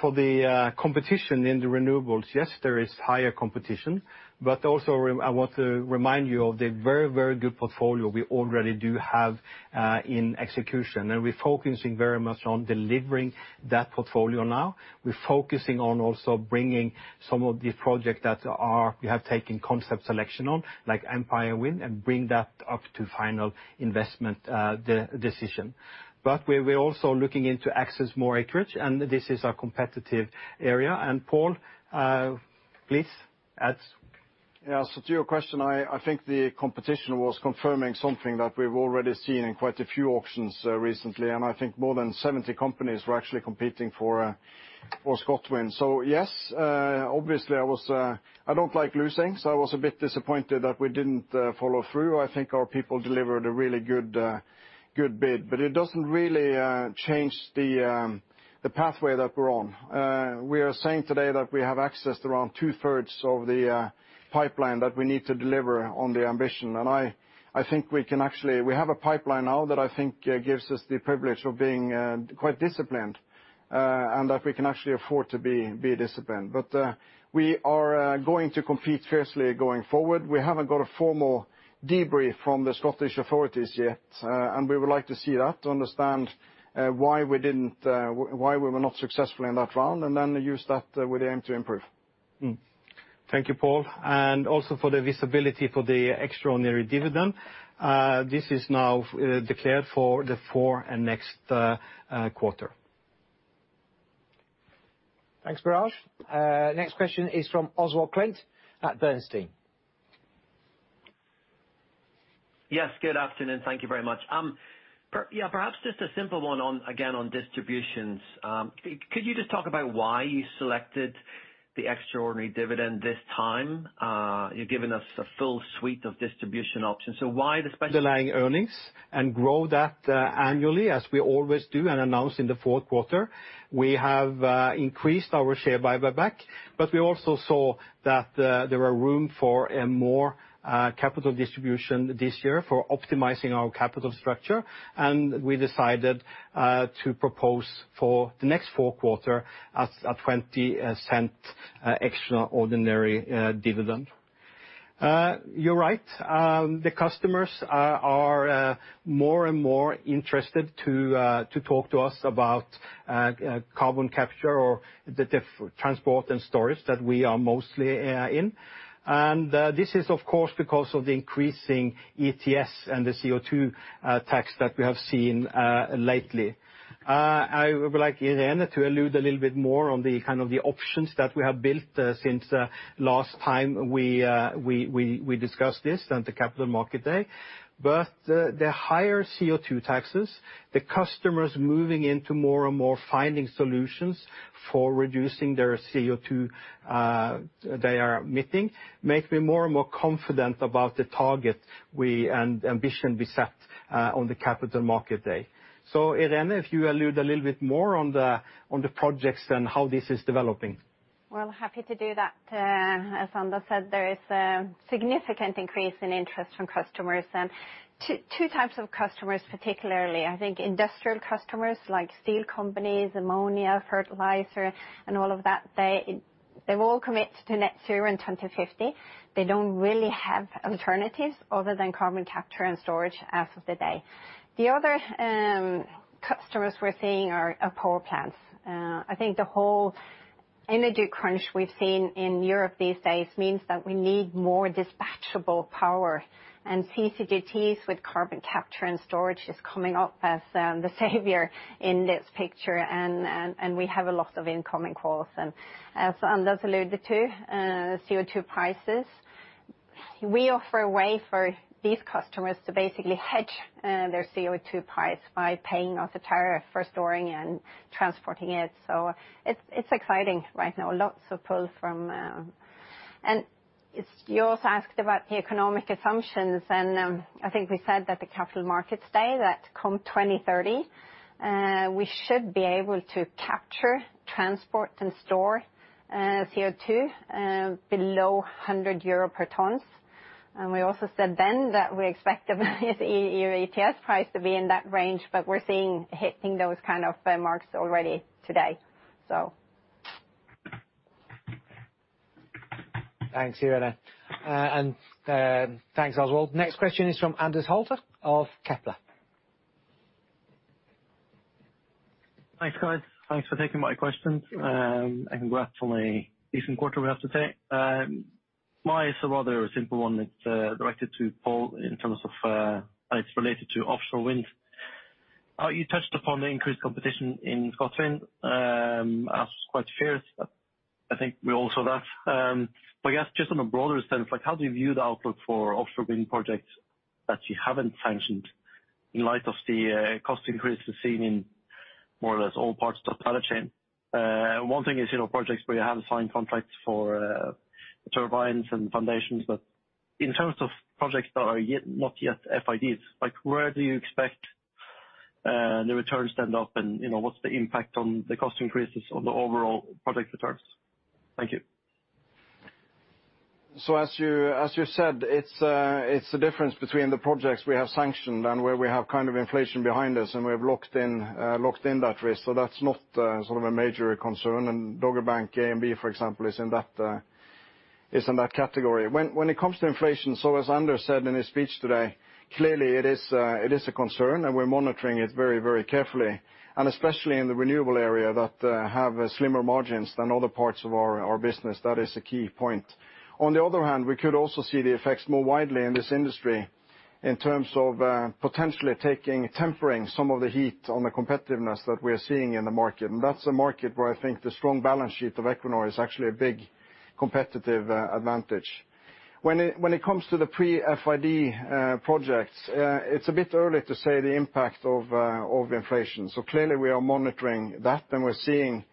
For the competition in the renewables, yes, there is higher competition, but also I want to remind you of the very, very good portfolio we already do have in execution. We're focusing very much on delivering that portfolio now. We're focusing on also bringing some of the projects that we have taken concept selection on, like Empire Wind, and bring that up to final investment decision. But we're also looking into access more acreage, and this is a competitive area. Pål, please add. To your question, I think the competition was confirming something that we've already seen in quite a few auctions recently, and I think more than 70 companies were actually competing for ScotWind. Yes, obviously I was. I don't like losing, so I was a bit disappointed that we didn't follow through. I think our people delivered a really good bid. It doesn't really change the pathway that we're on. We are saying today that we have access to around two-thirds of the pipeline that we need to deliver on the ambition. I think we can actually. We have a pipeline now that I think gives us the privilege of being quite disciplined, and that we can actually afford to be disciplined. We are going to compete fiercely going forward. We haven't got a formal debrief from the Scottish authorities yet, and we would like to see that to understand why we didn't why we were not successful in that round, and then use that with the aim to improve. Thank you, Pål. Also for the visibility for the extraordinary dividend, this is now declared for the fourth and next quarter. Thanks, Biraj. Next question is from Oswald Clint at Bernstein. Yes. Good afternoon. Thank you very much. Perhaps just a simple one on, again, on distributions. Could you just talk about why you selected the extraordinary dividend this time? You've given us a full suite of distribution options, so why the special- Underlying earnings and grow that annually as we always do and announce in the fourth quarter. We have increased our share buyback, but we also saw that there were room for a more capital distribution this year for optimizing our capital structure, and we decided to propose for the next four quarter a $0.20 extraordinary dividend. You're right. The customers are more and more interested to talk to us about carbon capture or transport and storage that we are mostly in. This is of course because of the increasing ETS and the CO2 tax that we have seen lately. I would like Irene to allude a little bit more on the kind of the options that we have built, since last time we discussed this at the Capital Market Day. The higher CO2 taxes, the customers moving into more and more finding solutions for reducing their CO2 they are emitting, make me more and more confident about the target we and ambition we set, on the Capital Market Day. Irene, if you allude a little bit more on the projects and how this is developing. Well, happy to do that. As Anders said, there is a significant increase in interest from customers, and two types of customers particularly. I think industrial customers like steel companies, ammonia, fertilizer, and all of that, they've all committed to net zero in 2050. They don't really have alternatives other than carbon capture and storage as of today. The other customers we're seeing are power plants. I think the whole energy crunch we've seen in Europe these days means that we need more dispatchable power, and CCGTs with carbon capture and storage is coming up as the savior in this picture and we have a lot of incoming calls. As Anders alluded to, CO2 prices, we offer a way for these customers to basically hedge their CO2 price by paying us a tariff for storing and transporting it. It's exciting right now. Lots of pull from. You also asked about the economic assumptions, and I think we said that the Capital Markets Day that by 2030 we should be able to capture, transport, and store CO2 below 100 euro per ton. We also said then that we expect the EU ETS price to be in that range, but we're seeing it hitting those kind of benchmarks already today. Thanks, Irene. Thanks, Oswald. Next question is from Anders Holte of Kepler. Thanks, guys. Thanks for taking my questions. Congrats on a decent quarter, we have to say. Mine is a rather simple one. It's directed to Pål in terms of how it's related to offshore wind. You touched upon the increased competition in Scotland as quite fierce. I think we all saw that. I guess just on a broader sense, like how do you view the outlook for offshore wind projects that you haven't sanctioned in light of the cost increases seen in more or less all parts of the value chain? One thing is, you know, projects where you have signed contracts for turbines and foundations, but in terms of projects that are not yet FIDs, like, where do you expect the returns stand up and, you know, what's the impact on the cost increases on the overall project returns? Thank you. As you said, it's the difference between the projects we have sanctioned and where we have kind of inflation behind us, and we have locked in that risk. That's not sort of a major concern. In Dogger Bank A and B, for example, is in that category. When it comes to inflation, as Anders said in his speech today, clearly it is a concern, and we're monitoring it very, very carefully, and especially in the renewable area that have slimmer margins than other parts of our business. That is a key point. On the other hand, we could also see the effects more widely in this industry in terms of potentially tempering some of the heat on the competitiveness that we're seeing in the market. That's a market where I think the strong balance sheet of Equinor is actually a big competitive advantage. When it comes to the pre-FID projects, it's a bit early to say the impact of inflation, so clearly we are monitoring that, and we're seeing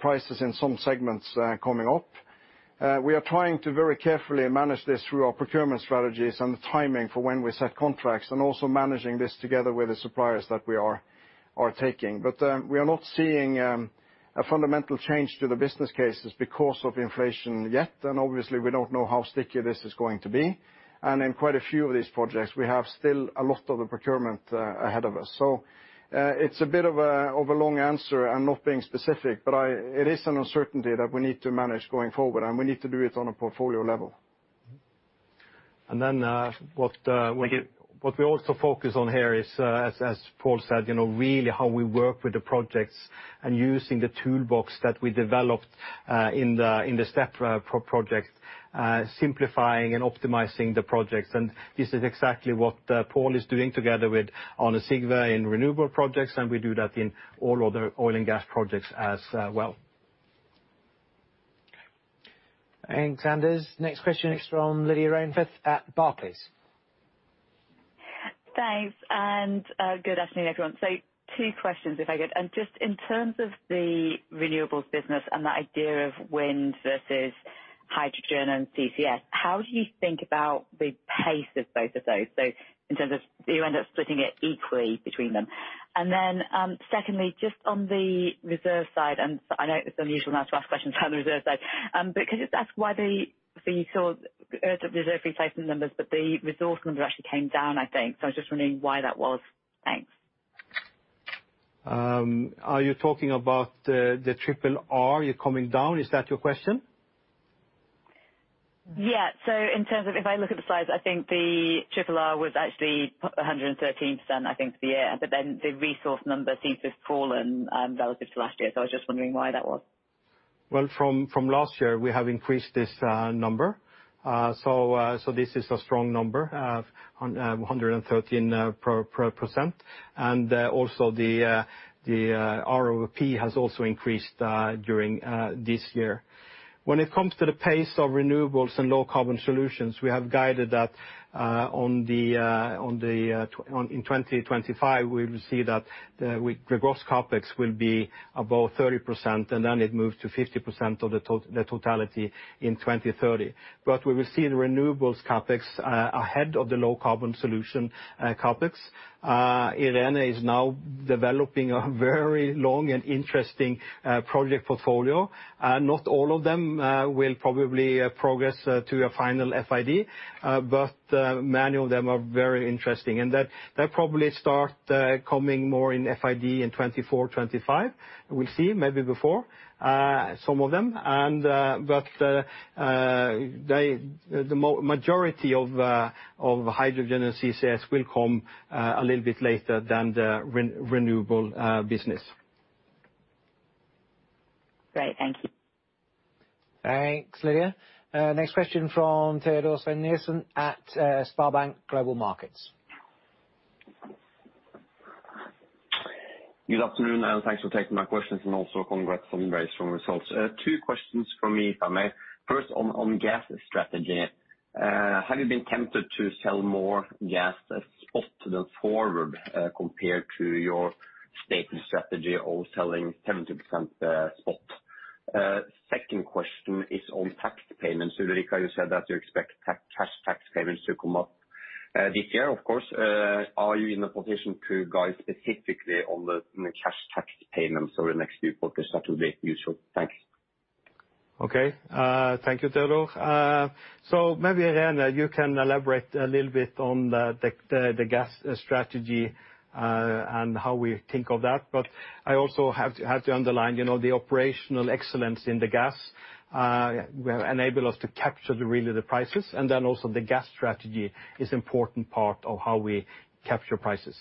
prices in some segments coming up. We are trying to very carefully manage this through our procurement strategies and the timing for when we set contracts and also managing this together with the suppliers that we are taking. But we are not seeing a fundamental change to the business cases because of inflation yet. Obviously we don't know how sticky this is going to be. In quite a few of these projects, we have still a lot of the procurement ahead of us. It's a bit of a long answer. I'm not being specific, but it is an uncertainty that we need to manage going forward, and we need to do it on a portfolio level. And then, uh, what, uh- Thank you. What we also focus on here is, as Pål said, you know, really how we work with the projects and using the toolbox that we developed in the Step project, simplifying and optimizing the projects. This is exactly what Pål is doing together with Arne Sigve in renewable projects, and we do that in all other oil and gas projects as well. Thanks, Anders. Next question is from Lydia Rainforth at Barclays. Thanks, good afternoon, everyone. Two questions if I could. Just in terms of the renewables business and the idea of wind versus hydrogen and CCS, how do you think about the pace of both of those? In terms of do you end up splitting it equally between them? Secondly, just on the reserve side, and I know it's unusual now to ask questions on the reserve side, but you saw the reserve replacement numbers, but the resource numbers actually came down, I think. I was just wondering why that was. Thanks. Are you talking about the triple R coming down? Is that your question? In terms of if I look at the size, I think the triple R was actually 113%, I think, for the year. Then the resource number seems to have fallen relative to last year. I was just wondering why that was. Well, from last year, we have increased this number. This is a strong number, 113%. The ROP has also increased during this year. When it comes to the pace of renewables and low-carbon solutions, we have guided that in 2025, we will see that the gross CapEx will be above 30%, and then it moves to 50% of the totality in 2030. We will see the renewables CapEx ahead of the low-carbon solution CapEx. Irene is now developing a very long and interesting project portfolio. Not all of them will probably progress to a final FID, but many of them are very interesting. That, they'll probably start coming more in FID in 2024, 2025. We'll see. Maybe before some of them. But they, the majority of hydrogen and CCS will come a little bit later than the renewable business. Great. Thank you. Thanks, Lydia. Next question from Teodor Sveen-Nilsen at SpareBank 1 Markets. Good afternoon, and thanks for taking my questions and also congrats on very strong results. Two questions from me, if I may. First, on gas strategy, have you been tempted to sell more gas spot than forward, compared to your stated strategy of selling 70% spot? Second question is on tax payments. Ulrica, you said that you expect the cash tax payments to come up, this year, of course. Are you in a position to guide specifically on the cash tax payments over the next few quarters? That would be useful. Thanks. Okay. Thank you, Teodor. Maybe, Irene, you can elaborate a little bit on the gas strategy and how we think of that. I also have to underline, you know, the operational excellence in the gas enabled us to capture really the prices, and then also the gas strategy is important part of how we capture prices.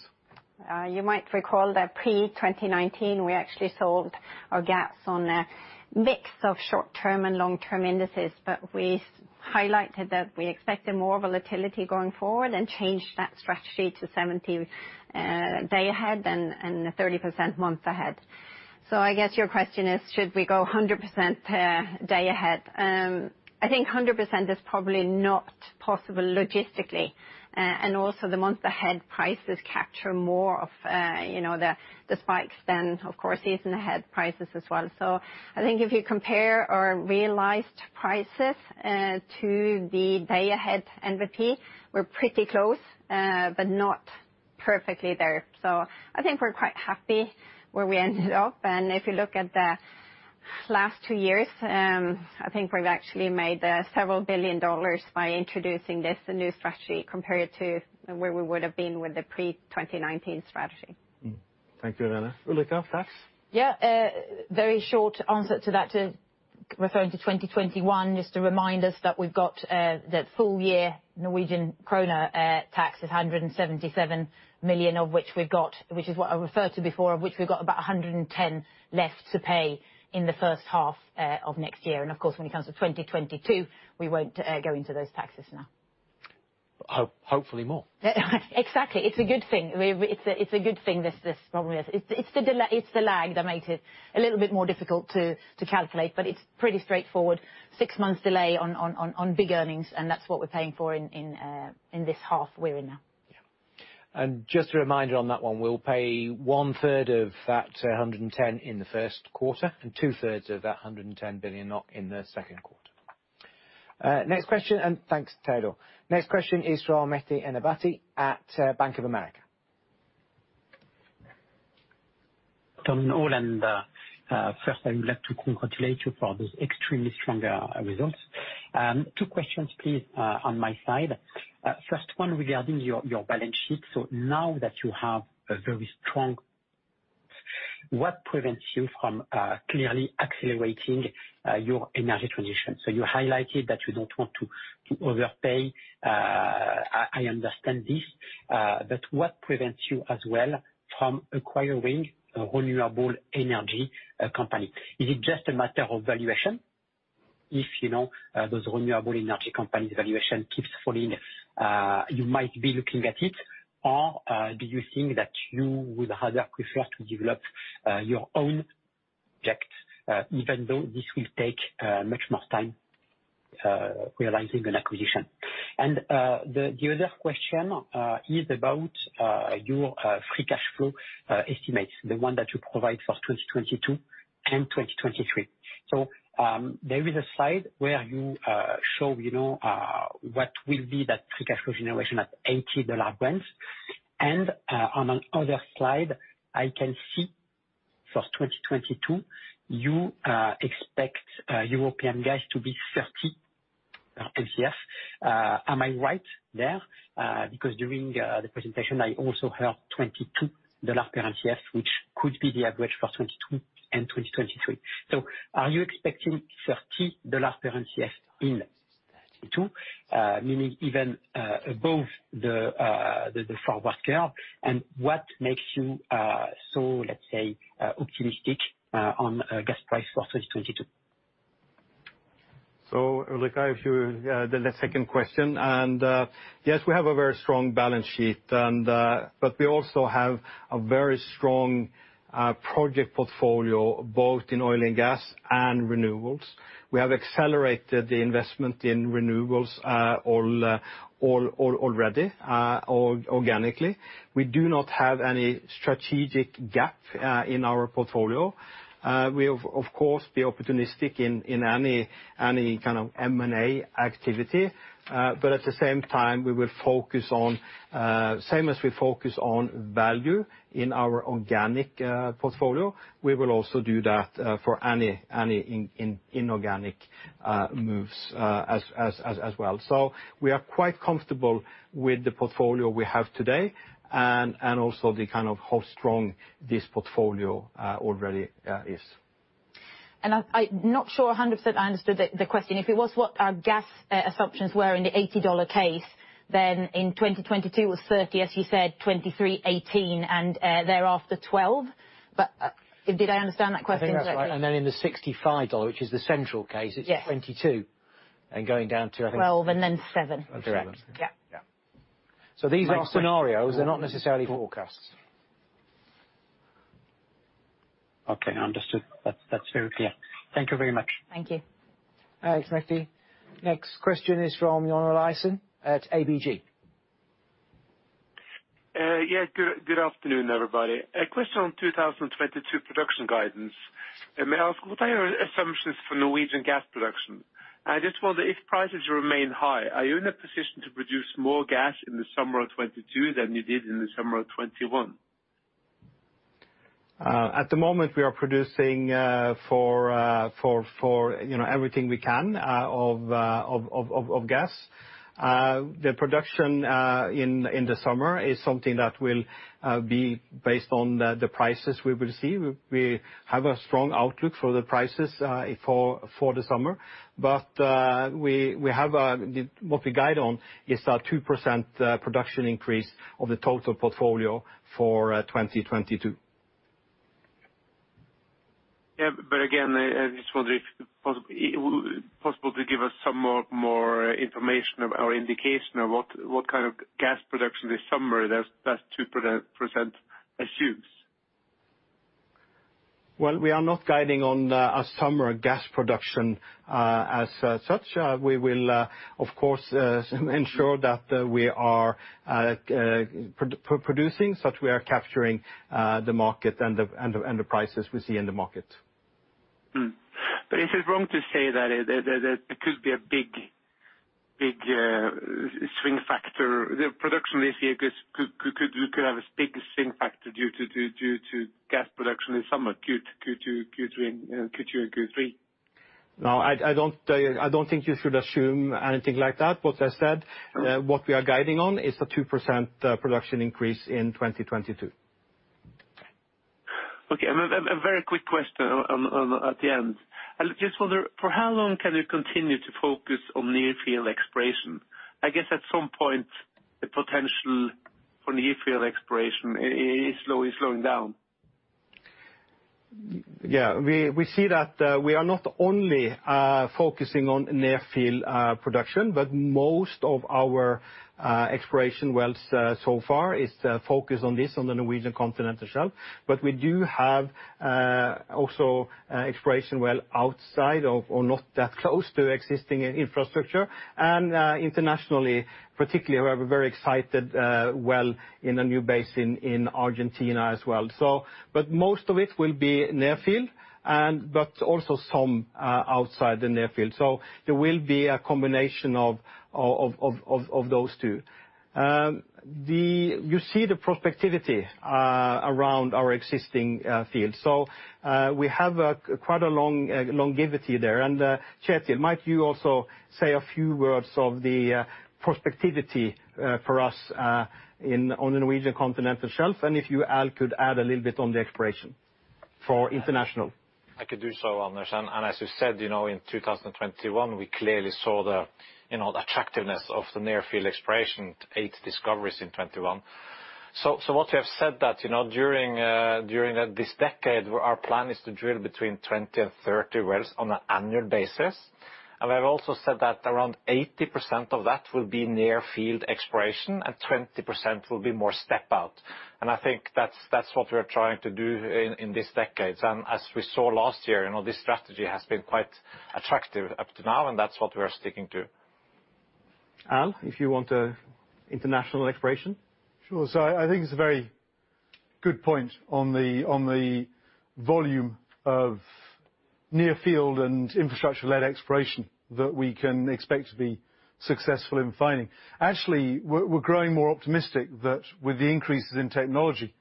You might recall that pre-2019 we actually sold our gas on a mix of short-term and long-term indices. We highlighted that we expected more volatility going forward and changed that strategy to 70 day-ahead and 30% month-ahead. I guess your question is should we go 100% day-ahead? I think 100% is probably not possible logistically, and also the month-ahead prices capture more of you know the spikes than of course season-ahead prices as well. I think if you compare our realized prices to the day-ahead NBP, we're pretty close but not perfectly there. I think we're quite happy where we ended up. If you look at the last two years, I think we've actually made $several billion by introducing this new strategy compared to where we would have been with the pre-2019 strategy. Thank you, Irene. Ulrica, tax? Yeah. Very short answer to that, referring to 2021, just to remind us that we've got the full year Norwegian kroner tax of 177 million, which is what I referred to before, of which we've got about 110 million left to pay in the first half of next year. Of course, when it comes to 2022, we won't go into those taxes now. Hopefully more. Exactly. It's a good thing. It's a good thing this probably is. It's the lag that made it a little bit more difficult to calculate, but it's pretty straightforward. Six months delay on big earnings, and that's what we're paying for in this half we're in now. Yeah. Just a reminder on that one, we'll pay one third of that 110 billion NOK in the first quarter, and 2/3 of that 110 billion NOK in the second quarter. Next question, and thanks, Teodor. Next question is from Mehdi ENNEBATI at Bank of America. Good morning, all, and first I would like to congratulate you for those extremely strong results. Two questions please, on my side. First one regarding your balance sheet. Now that you have a very strong, what prevents you from clearly accelerating your energy transition? You highlighted that you don't want to overpay. I understand this. But what prevents you as well from acquiring a renewable energy company? Is it just a matter of valuation? If, you know, those renewable energy companies' valuation keeps falling, you might be looking at it. Or do you think that you would rather prefer to develop your own projects, even though this will take much more time realizing an acquisition. The other question is about your free cash flow estimates, the one that you provide for 2022 and 2023. There is a slide where you show, you know, what will be that free cash flow generation at $80 Brent. On another slide, I can see for 2022, you expect European gas to be 30 $/MMBtu. Am I right there? Because during the presentation, I also heard $22 per MMBtu, which could be the average for 2022 and 2023. Are you expecting $30 per MMBtu in 2022, meaning even above the forward curve? What makes you so, let's say, optimistic on gas price for 2022? Ulrica, to your second question. Yes, we have a very strong balance sheet, but we also have a very strong project portfolio, both in oil and gas and renewables. We have accelerated the investment in renewables already or organically. We do not have any strategic gap in our portfolio. We will, of course, be opportunistic in any kind of M&A activity. But at the same time, we will focus on the same as we focus on value in our organic portfolio, we will also do that for any inorganic moves as well. We are quite comfortable with the portfolio we have today and also kind of how strong this portfolio already is. I'm not sure 100% I understood the question. If it was what our gas assumptions were in the $80 case, then in 2022 was 30, as you said, 2023, 18, and thereafter 12. Did I understand that question correctly? I think that's right. In the $65, which is the central case- Yes. it's 22, and going down to, I think 12 and then 7. Very much so. Correct. Yeah. Yeah. These are scenarios, they're not necessarily forecasts. Okay, understood. That, that's very clear. Thank you very much. Thank you. Thanks, Mehdi. Next question is from John Olaisen at ABG. Good afternoon, everybody. A question on 2022 production guidance. May I ask what are your assumptions for Norwegian gas production? I just wonder if prices remain high, are you in a position to produce more gas in the summer of 2022 than you did in the summer of 2021? At the moment, we are producing for you know everything we can of gas. The production in the summer is something that will be based on the prices we will receive. We have a strong outlook for the prices for the summer. What we guide on is a 2% production increase of the total portfolio for 2022. Yeah, but again, I just wonder if possible to give us some more information or indication of what kind of gas production this summer that 2% assumes. Well, we are not guiding on a summer gas production as such. We will, of course, ensure that we are producing such we are capturing the market and the prices we see in the market. Is it wrong to say that it could be a big swing factor, the production this year could have a big swing factor due to gas production in summer, Q2 and Q3? No, I don't think you should assume anything like that. What I said, what we are guiding on is a 2% production increase in 2022. Okay. A very quick question on that at the end. I just wonder, for how long can you continue to focus on near-field exploration? I guess at some point, the potential for near-field exploration is slowing down. We see that we are not only focusing on near-field production, but most of our exploration wells so far is focused on this, on the Norwegian Continental Shelf. We do have also exploration well outside of or not that close to existing infrastructure. Internationally, particularly, we have a very exciting well in a new basin in Argentina as well. Most of it will be near-field and also some outside the near-field. There will be a combination of those two. You see the prospectivity around our existing fields. We have quite a long longevity there. Kjetil, might you also say a few words of the prospectivity for us on the Norwegian Continental Shelf, and if you, Al, could add a little bit on the exploration for international. I could do so, Anders. As you said, you know, in 2021, we clearly saw the, you know, attractiveness of the near-field exploration, 8 discoveries in 2021. What we have said that, you know, during this decade, our plan is to drill between 20 and 30 wells on an annual basis. We have also said that around 80% of that will be near-field exploration and 20% will be more step out. I think that's what we're trying to do in this decade. As we saw last year, you know, this strategy has been quite attractive up to now, and that's what we are sticking to. Al, if you want to international exploration. I think it's a very good point on the volume of near-field and infrastructure-led exploration that we can expect to be successful in finding. Actually, we're growing more optimistic that with the increases in technology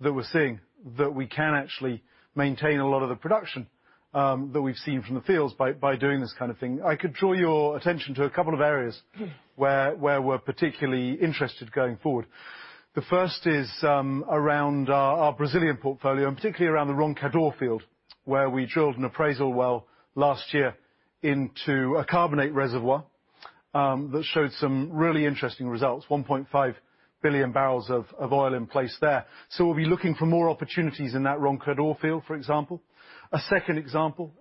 that we're seeing, that we can actually maintain a lot of the production that we've seen from the fields by doing this kind of thing. I could draw your attention to a couple of areas where we're particularly interested going forward. The first is around our Brazilian portfolio, and particularly around the Roncador field, where we drilled an appraisal well last year into a carbonate reservoir that showed some really interesting results, 1.5 billion barrels of oil in place there. We'll be looking for more opportunities in that Roncador field, for example. A second example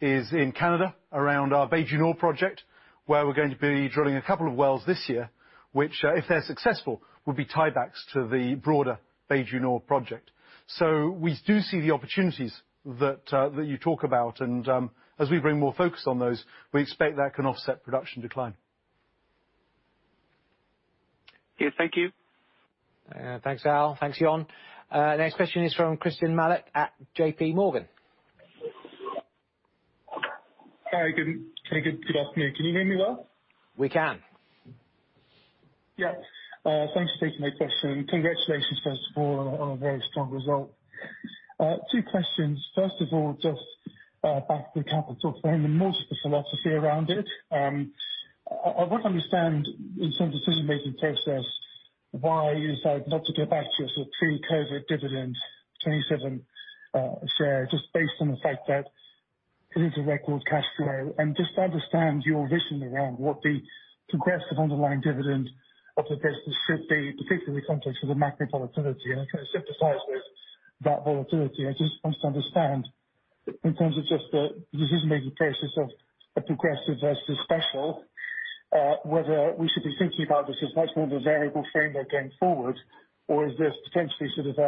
is in Canada around our Bay du Nord project, where we're going to be drilling a couple of wells this year, which, if they're successful, will be tie-backs to the broader Bay du Nord project. We do see the opportunities that you talk about. As we bring more focus on those, we expect that can offset production decline. Yeah, thank you. Thanks, Al. Thanks, John. Next question is from Christyan Malek at J.P. Morgan. Hi, good afternoon. Can you hear me well? We can. Yeah. Thanks for taking my question. Congratulations, first of all, on a very strong result. Two questions. First of all, just back to the capital frame and most of the philosophy around it. I want to understand in terms of decision-making process, why you decided not to go back to a sort of pre-COVID dividend, 27 share, just based on the fact that it is a record cash flow. Just to understand your vision around what the progressive underlying dividend of the business should be, particularly in context with the macro volatility. I kind of synthesize with that volatility. I just want to understand in terms of just the decision-making process of a progressive versus special, whether we should be thinking about this as much more of a variable framework going forward, or is this potentially sort of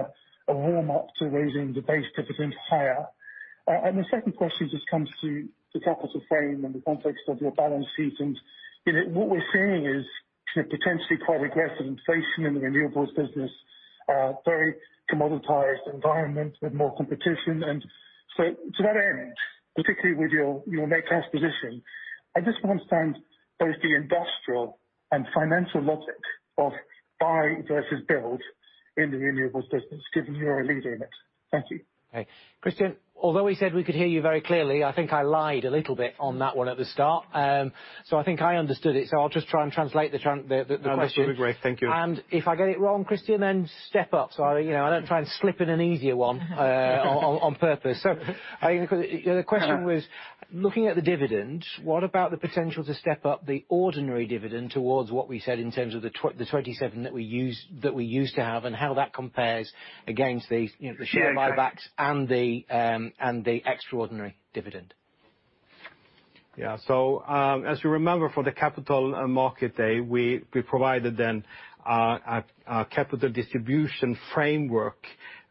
a warm-up to raising the base dividend higher? The second question just comes to the capital frame and the context of your balance sheet. You know, what we're seeing is kind of potentially quite aggressive inflation in the renewables business, very commoditized environment with more competition. To that end, particularly with your net cash position I just want to understand both the industrial and financial logic of buy versus build in the renewables business, given you're a leader in it. Thank you. Okay. Christyan, although he said we could hear you very clearly, I think I lied a little bit on that one at the start. I think I understood it, so I'll just try and translate the question. That would be great. Thank you. If I get it wrong, Christyan, then step up, so I, you know, I don't try and slip in an easier one, on purpose. I think the question was, looking at the dividend, what about the potential to step up the ordinary dividend towards what we said in terms of the 27 that we used to have, and how that compares against the, you know, the share buybacks and the, and the extraordinary dividend. Yeah. As you remember for the Capital Markets Day, we provided then a capital distribution framework,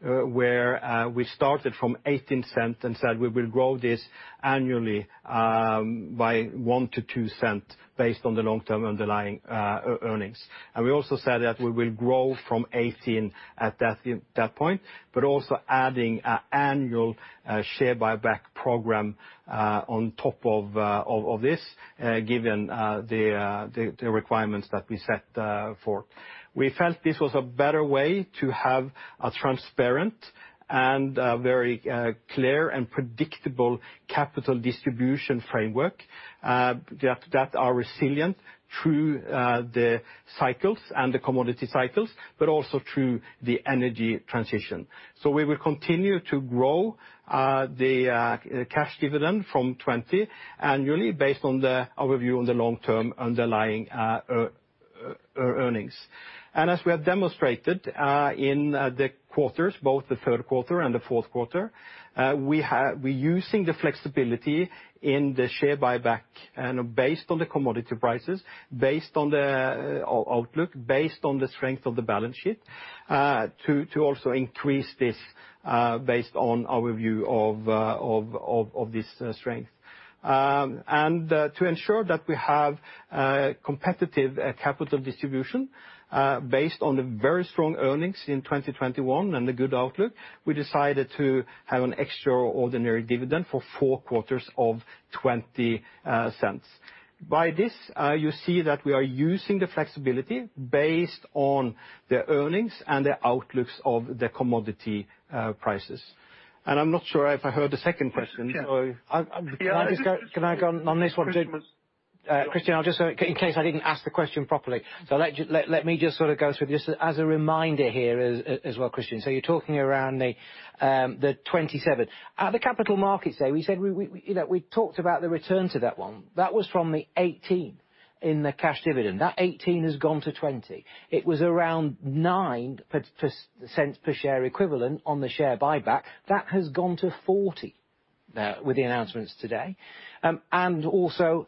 where we started from 18 cents and said we will grow this annually by 1-2 cents based on the long-term underlying earnings. We also said that we will grow from 18 at that point, but also adding an annual share buyback program on top of this given the requirements that we set for. We felt this was a better way to have a transparent and very clear and predictable capital distribution framework that are resilient through the cycles and the commodity cycles, but also through the energy transition. We will continue to grow the cash dividend from $20 annually based on the overview on the long-term underlying earnings. As we have demonstrated in the quarters, both the third quarter and the fourth quarter, we're using the flexibility in the share buyback and based on the commodity prices, based on the outlook, based on the strength of the balance sheet to also increase this based on our view of this strength. To ensure that we have competitive capital distribution based on the very strong earnings in 2021 and the good outlook, we decided to have an extraordinary dividend for four quarters of $0.20. By this, you see that we are using the flexibility based on the earnings and the outlooks of the commodity prices. I'm not sure if I heard the second question. Yeah. So- Can I go on this one? Christyan, I'll just in case I didn't ask the question properly. Let me just sort of go through just as a reminder here as well, Christyan. You're talking around the $0.27. At the Capital Markets Day, we said you know, we talked about the return to that one. That was from the $0.18 in the cash dividend. That $0.18 has gone to $0.20. It was around $0.09 per share equivalent on the share buyback. That has gone to $0.40 with the announcements today. And also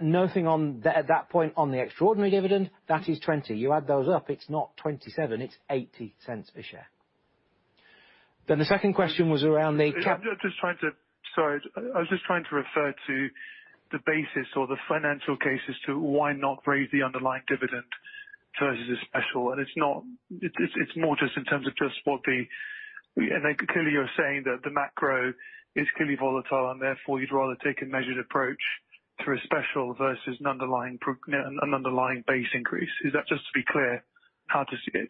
nothing at that point on the extraordinary dividend. That is $0.20. You add those up, it's not $0.27, it's $0.80 a share. Then the second question was around the ca- I was just trying to refer to the basis or the financial cases to why not raise the underlying dividend versus a special. It's more just in terms of what the. Clearly you're saying that the macro is clearly volatile and therefore you'd rather take a measured approach through a special versus an underlying base increase. Is that just to be clear how to see it?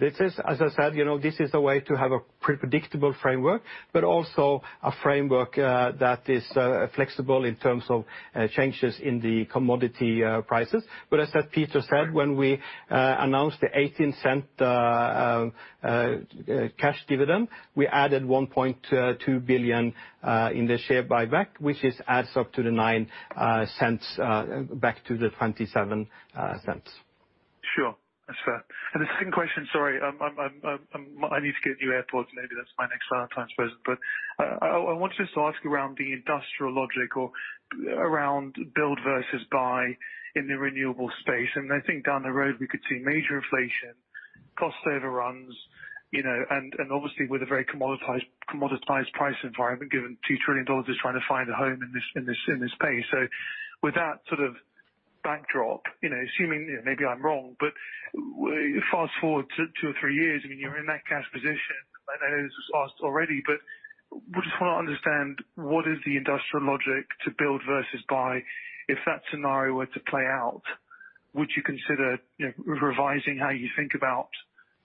This is, as I said, you know, this is a way to have a predictable framework, but also a framework that is flexible in terms of changes in the commodity prices. As said, Peter said, when we announced the $0.18 cash dividend, we added $1.2 billion in the share buyback, which adds up to the $0.09 back to the $0.27. Sure. That's fair. The second question, sorry, I need to get new AirPods. Maybe that's my next Valentine's present. I want to just ask around the industrial logic or around build versus buy in the renewable space. I think down the road, we could see major inflation, cost overruns, you know, and obviously with a very commoditized price environment, given $2 trillion is trying to find a home in this space. With that sort of backdrop, you know, assuming, maybe I'm wrong, but fast-forward 2-3 years, I mean, you're in that cash position. I know this was asked already, but we just wanna understand what is the industrial logic to build versus buy if that scenario were to play out? Would you consider, you know, revising how you think about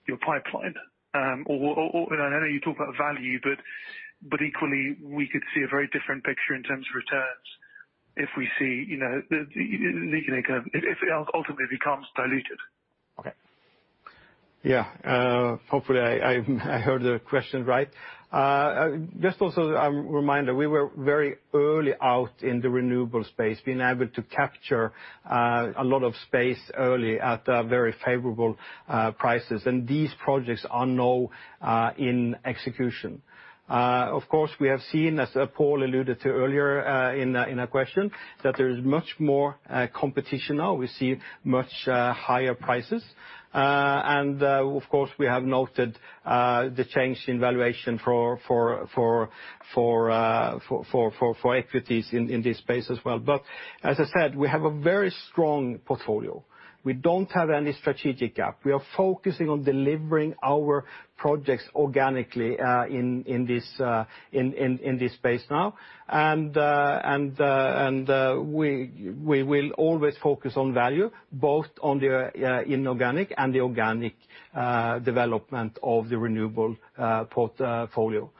your pipeline? I know you talk about value, but equally we could see a very different picture in terms of returns if we see, you know, you know, if it ultimately becomes diluted. Okay. Yeah. Hopefully I heard the question right. Just also a reminder, we were very early out in the renewable space, being able to capture a lot of space early at a very favorable prices, and these projects are now in execution. Of course, we have seen, as Pål alluded to earlier, in a question, that there is much more competition now. We see much higher prices. Of course, we have noted the change in valuation for equities in this space as well. As I said, we have a very strong portfolio. We don't have any strategic gap. We are focusing on delivering our projects organically in this space now. We will always focus on value, both on the inorganic and the organic development of the renewable portfolio.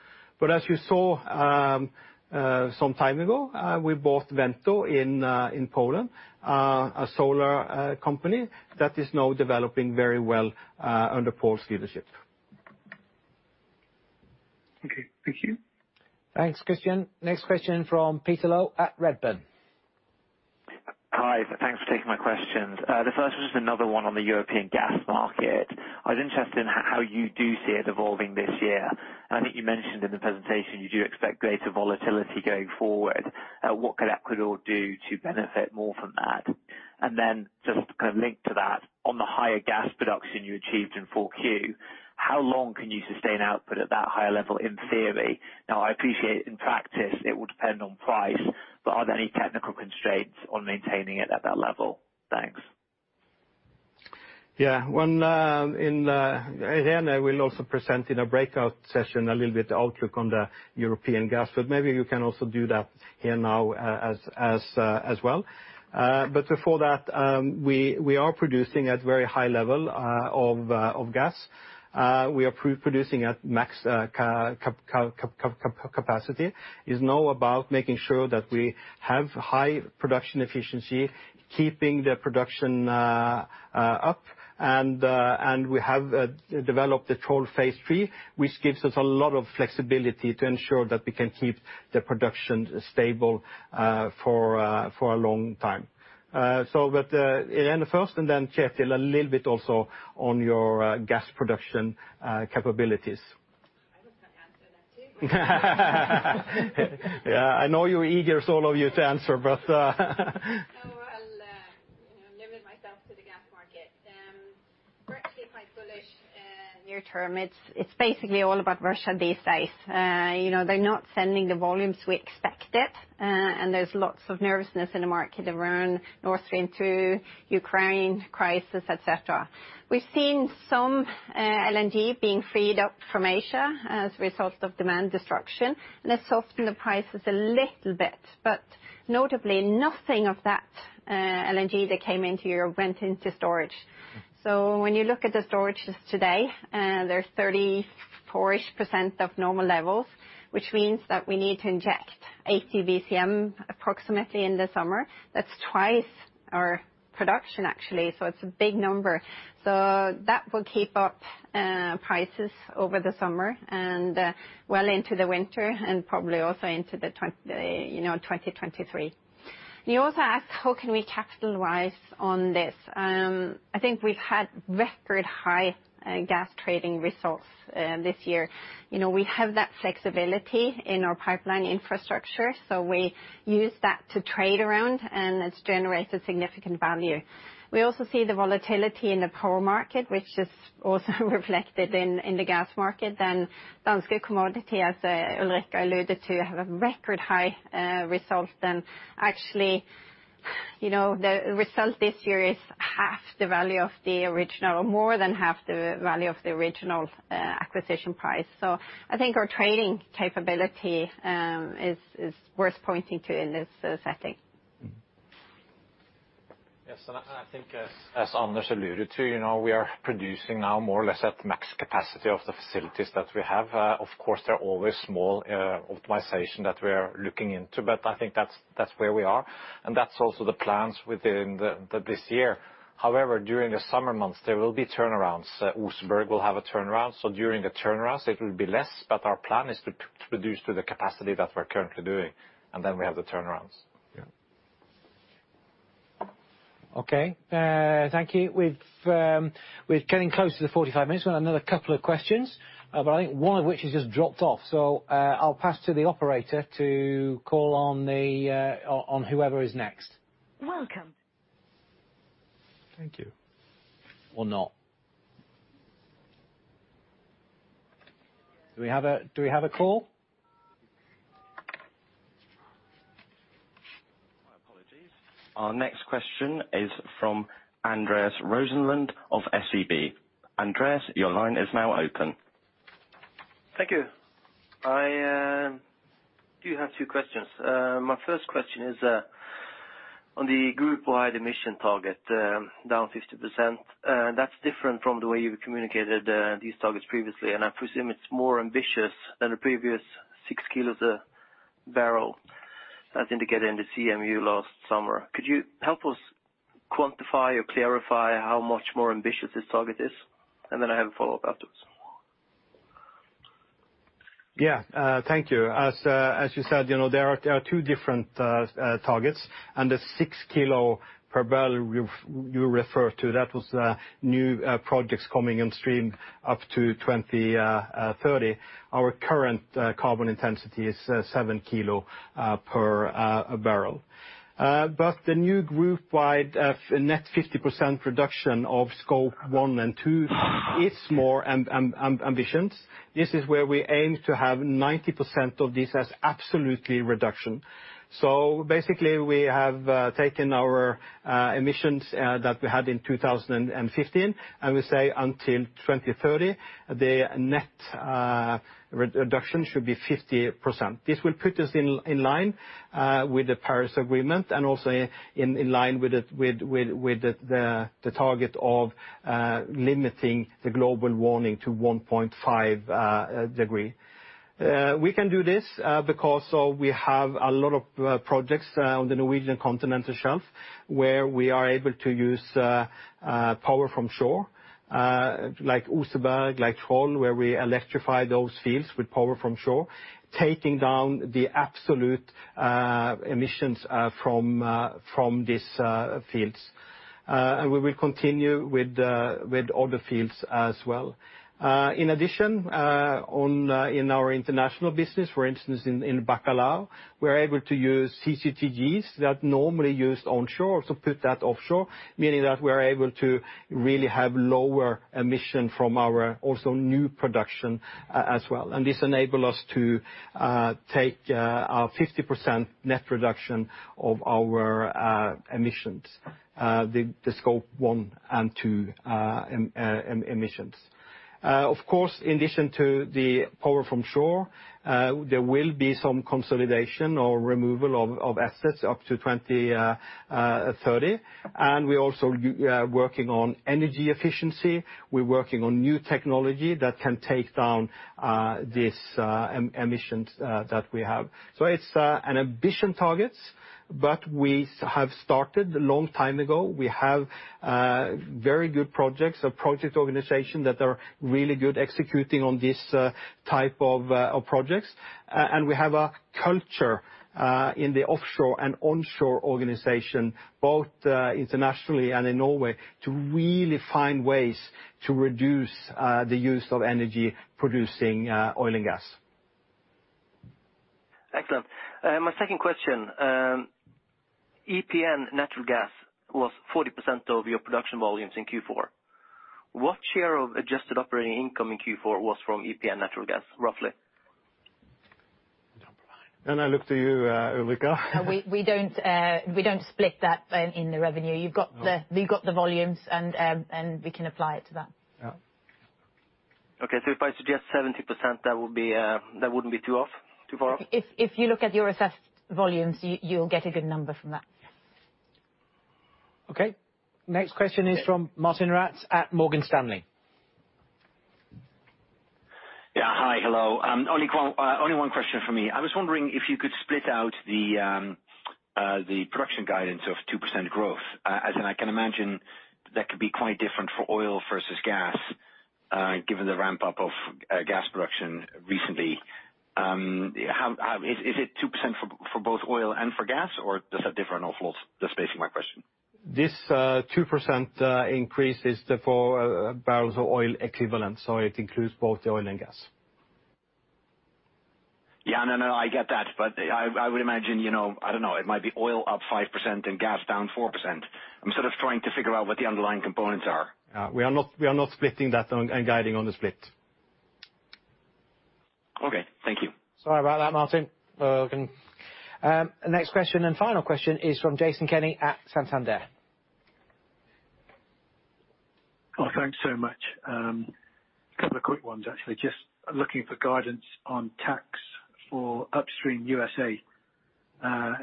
As you saw some time ago, we bought Wento in Poland, a solar company that is now developing very well under Pål's leadership. Okay. Thank you. Thanks, Christyan. Next question from Peter Low at Redburn. Hi, thanks for taking my questions. The first one's just another one on the European gas market. I was interested in how you do see it evolving this year. I think you mentioned in the presentation you do expect greater volatility going forward. What could Equinor do to benefit more from that? Just to kind of link to that, on the higher gas production you achieved in Q4, how long can you sustain output at that higher level in theory? Now, I appreciate in practice it will depend on price, but are there any technical constraints on maintaining it at that level? Thanks. Yeah. When Irene will also present in a breakout session a little bit the outlook on the European gas, but maybe you can also do that here now as well. Before that, we are producing at very high level of gas. We are producing at max capacity. It's now about making sure that we have high production efficiency, keeping the production up, and we have developed the Troll phase III, which gives us a lot of flexibility to ensure that we can keep the production stable for a long time. Irene first and then Kjetil, a little bit also on your gas production capabilities. I was gonna answer that too. Yeah, I know you're eager, all of you, to answer, but No, I'll, you know, limit myself to the gas market. We're actually quite bullish in near term. It's basically all about Russia these days. You know, they're not sending the volumes we expected, and there's lots of nervousness in the market around Nord Stream 2, Ukraine crisis, et cetera. We've seen some LNG being freed up from Asia as a result of demand destruction, and that's softened the prices a little bit. But notably nothing of that LNG that came into Europe went into storage. So when you look at the storages today, they're 34-ish% of normal levels, which means that we need to inject 80 BCM approximately in the summer. That's twice our production actually, so it's a big number. That will keep up prices over the summer and well into the winter and probably also into 2023. You also asked, how can we capitalize on this? I think we've had record high gas trading results this year. You know, we have that flexibility in our pipeline infrastructure, so we use that to trade around and it's generated significant value. We also see the volatility in the power market, which is also reflected in the gas market. Danske Commodities, as Ulrik alluded to, have a record high result. Actually, you know, the result this year is more than half the value of the original acquisition price. I think our trading capability is worth pointing to in this setting. Mm-hmm. Yes, I think as Anders alluded to, you know, we are producing now more or less at max capacity of the facilities that we have. Of course, there are always small optimization that we are looking into, but I think that's where we are. That's also the plans within this year. However, during the summer months, there will be turnarounds. Oseberg will have a turnaround, so during the turnarounds it will be less, but our plan is to produce to the capacity that we're currently doing, and then we have the turnarounds. Yeah. Okay. Thank you. We're getting close to the 45 minutes. We've got another couple of questions, but I think one of which has just dropped off. I'll pass to the operator to call on whoever is next. Welcome. Thank you. Not. Do we have a call? My apologies. Our next question is from Anders Rosenlund of SEB. Anders, your line is now open. Thank you. I do have two questions. My first question is on the group-wide emission target down 50%. That's different from the way you've communicated these targets previously, and I presume it's more ambitious than the previous 6 kilos a barrel as indicated in the CMU last summer. Could you help us quantify or clarify how much more ambitious this target is? Then I have a follow-up afterwards. Yeah, thank you. As you said, you know, there are two different targets. The 6 kg per barrel you refer to, that was new projects coming on stream up to 2030. Our current carbon intensity is 7 kg per barrel. The new group-wide net 50% reduction of Scope 1 and 2 is more ambitious. This is where we aim to have 90% of this as absolute reduction. Basically we have taken our emissions that we had in 2015, and we say until 2030, the net reduction should be 50%. This will put us in line with the Paris Agreement and also in line with the target of limiting the global warming to 1.5 degrees. We can do this because we have a lot of projects on the Norwegian Continental shelf, where we are able to use power from shore, like Oseberg, like Troll, where we electrify those fields with power from shore, taking down the absolute emissions from these fields. We will continue with other fields as well. In addition, in our international business, for instance, in Bacalhau, we're able to use CCGTs that normally used onshore, so put that offshore, meaning that we are able to really have lower emission from our also new production as well. This enable us to take our 50% net reduction of our emissions, the Scope 1 and 2 emissions. Of course, in addition to the power from shore, there will be some consolidation or removal of assets up to 20 to 30. We also working on energy efficiency. We're working on new technology that can take down this emissions that we have. It's an ambitious targets, but we have started a long time ago. We have very good projects, a project organization that are really good executing on this type of projects. We have a culture in the offshore and onshore organization, both internationally and in Norway, to really find ways to reduce the use of energy producing oil and gas. Excellent. My second question. EPN Natural Gas was 40% of your production volumes in Q4. What share of adjusted operating income in Q4 was from EPN Natural Gas, roughly? I look to you, Ulrica. We don't split that in the revenue. You've got the No. You've got the volumes and we can apply it to that. Yeah. Okay. If I suggest 70%, that would be, that wouldn't be too off, too far off? If you look at your assessed volumes, you'll get a good number from that. Yes. Okay. Next question is from Martijn Rats at Morgan Stanley. Only one question from me. I was wondering if you could split out the production guidance of 2% growth, as in I can imagine that could be quite different for oil versus gas, given the ramp up of gas production recently. How is it 2% for both oil and gas, or does that differ overall? Just basing my question. This 2% increase is for barrels of oil equivalent, so it includes both oil and gas. Yeah, no, I get that. I would imagine, you know, I don't know, it might be oil up 5% and gas down 4%. I'm sort of trying to figure out what the underlying components are. Yeah. We are not splitting that and guiding on the split. Okay. Thank you. Sorry about that, Martin. Next question and final question is from Jason Kenney at Santander. Oh, thanks so much. A couple of quick ones, actually. Just looking for guidance on tax for upstream U.S.A.,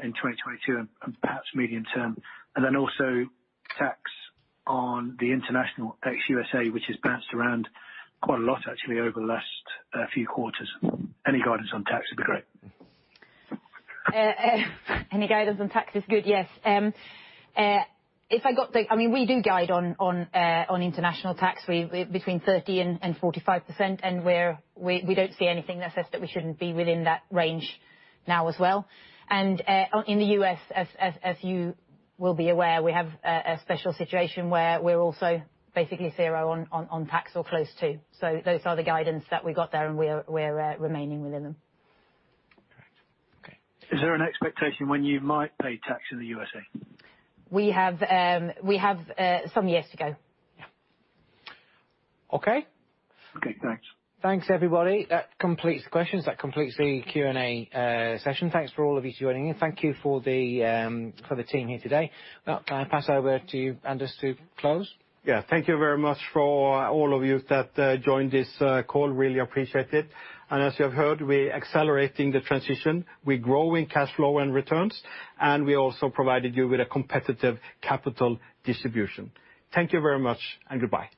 in 2022 and perhaps medium term. Then also tax on the international ex USA, which has bounced around quite a lot actually over the last few quarters. Any guidance on tax would be great. Any guidance on tax is good, yes. I mean, we do guide on international tax. Between 30% and 45%, and we don't see anything that says that we shouldn't be within that range now as well. On, in the U.S., as you will be aware, we have a special situation where we're also basically zero on tax or close to. Those are the guidance that we got there, and we're remaining within them. Correct. Okay. Is there an expectation when you might pay tax in the USA? We have some years to go. Yeah. Okay? Okay. Thanks. Thanks, everybody. That completes the questions. That completes the Q&A session. Thanks for all of you joining. Thank you for the team here today. Now I pass over to Anders to close. Yeah. Thank you very much for all of you that joined this call. Really appreciate it. As you have heard, we're accelerating the transition. We're growing cash flow and returns, and we also provided you with a competitive capital distribution. Thank you very much and goodbye.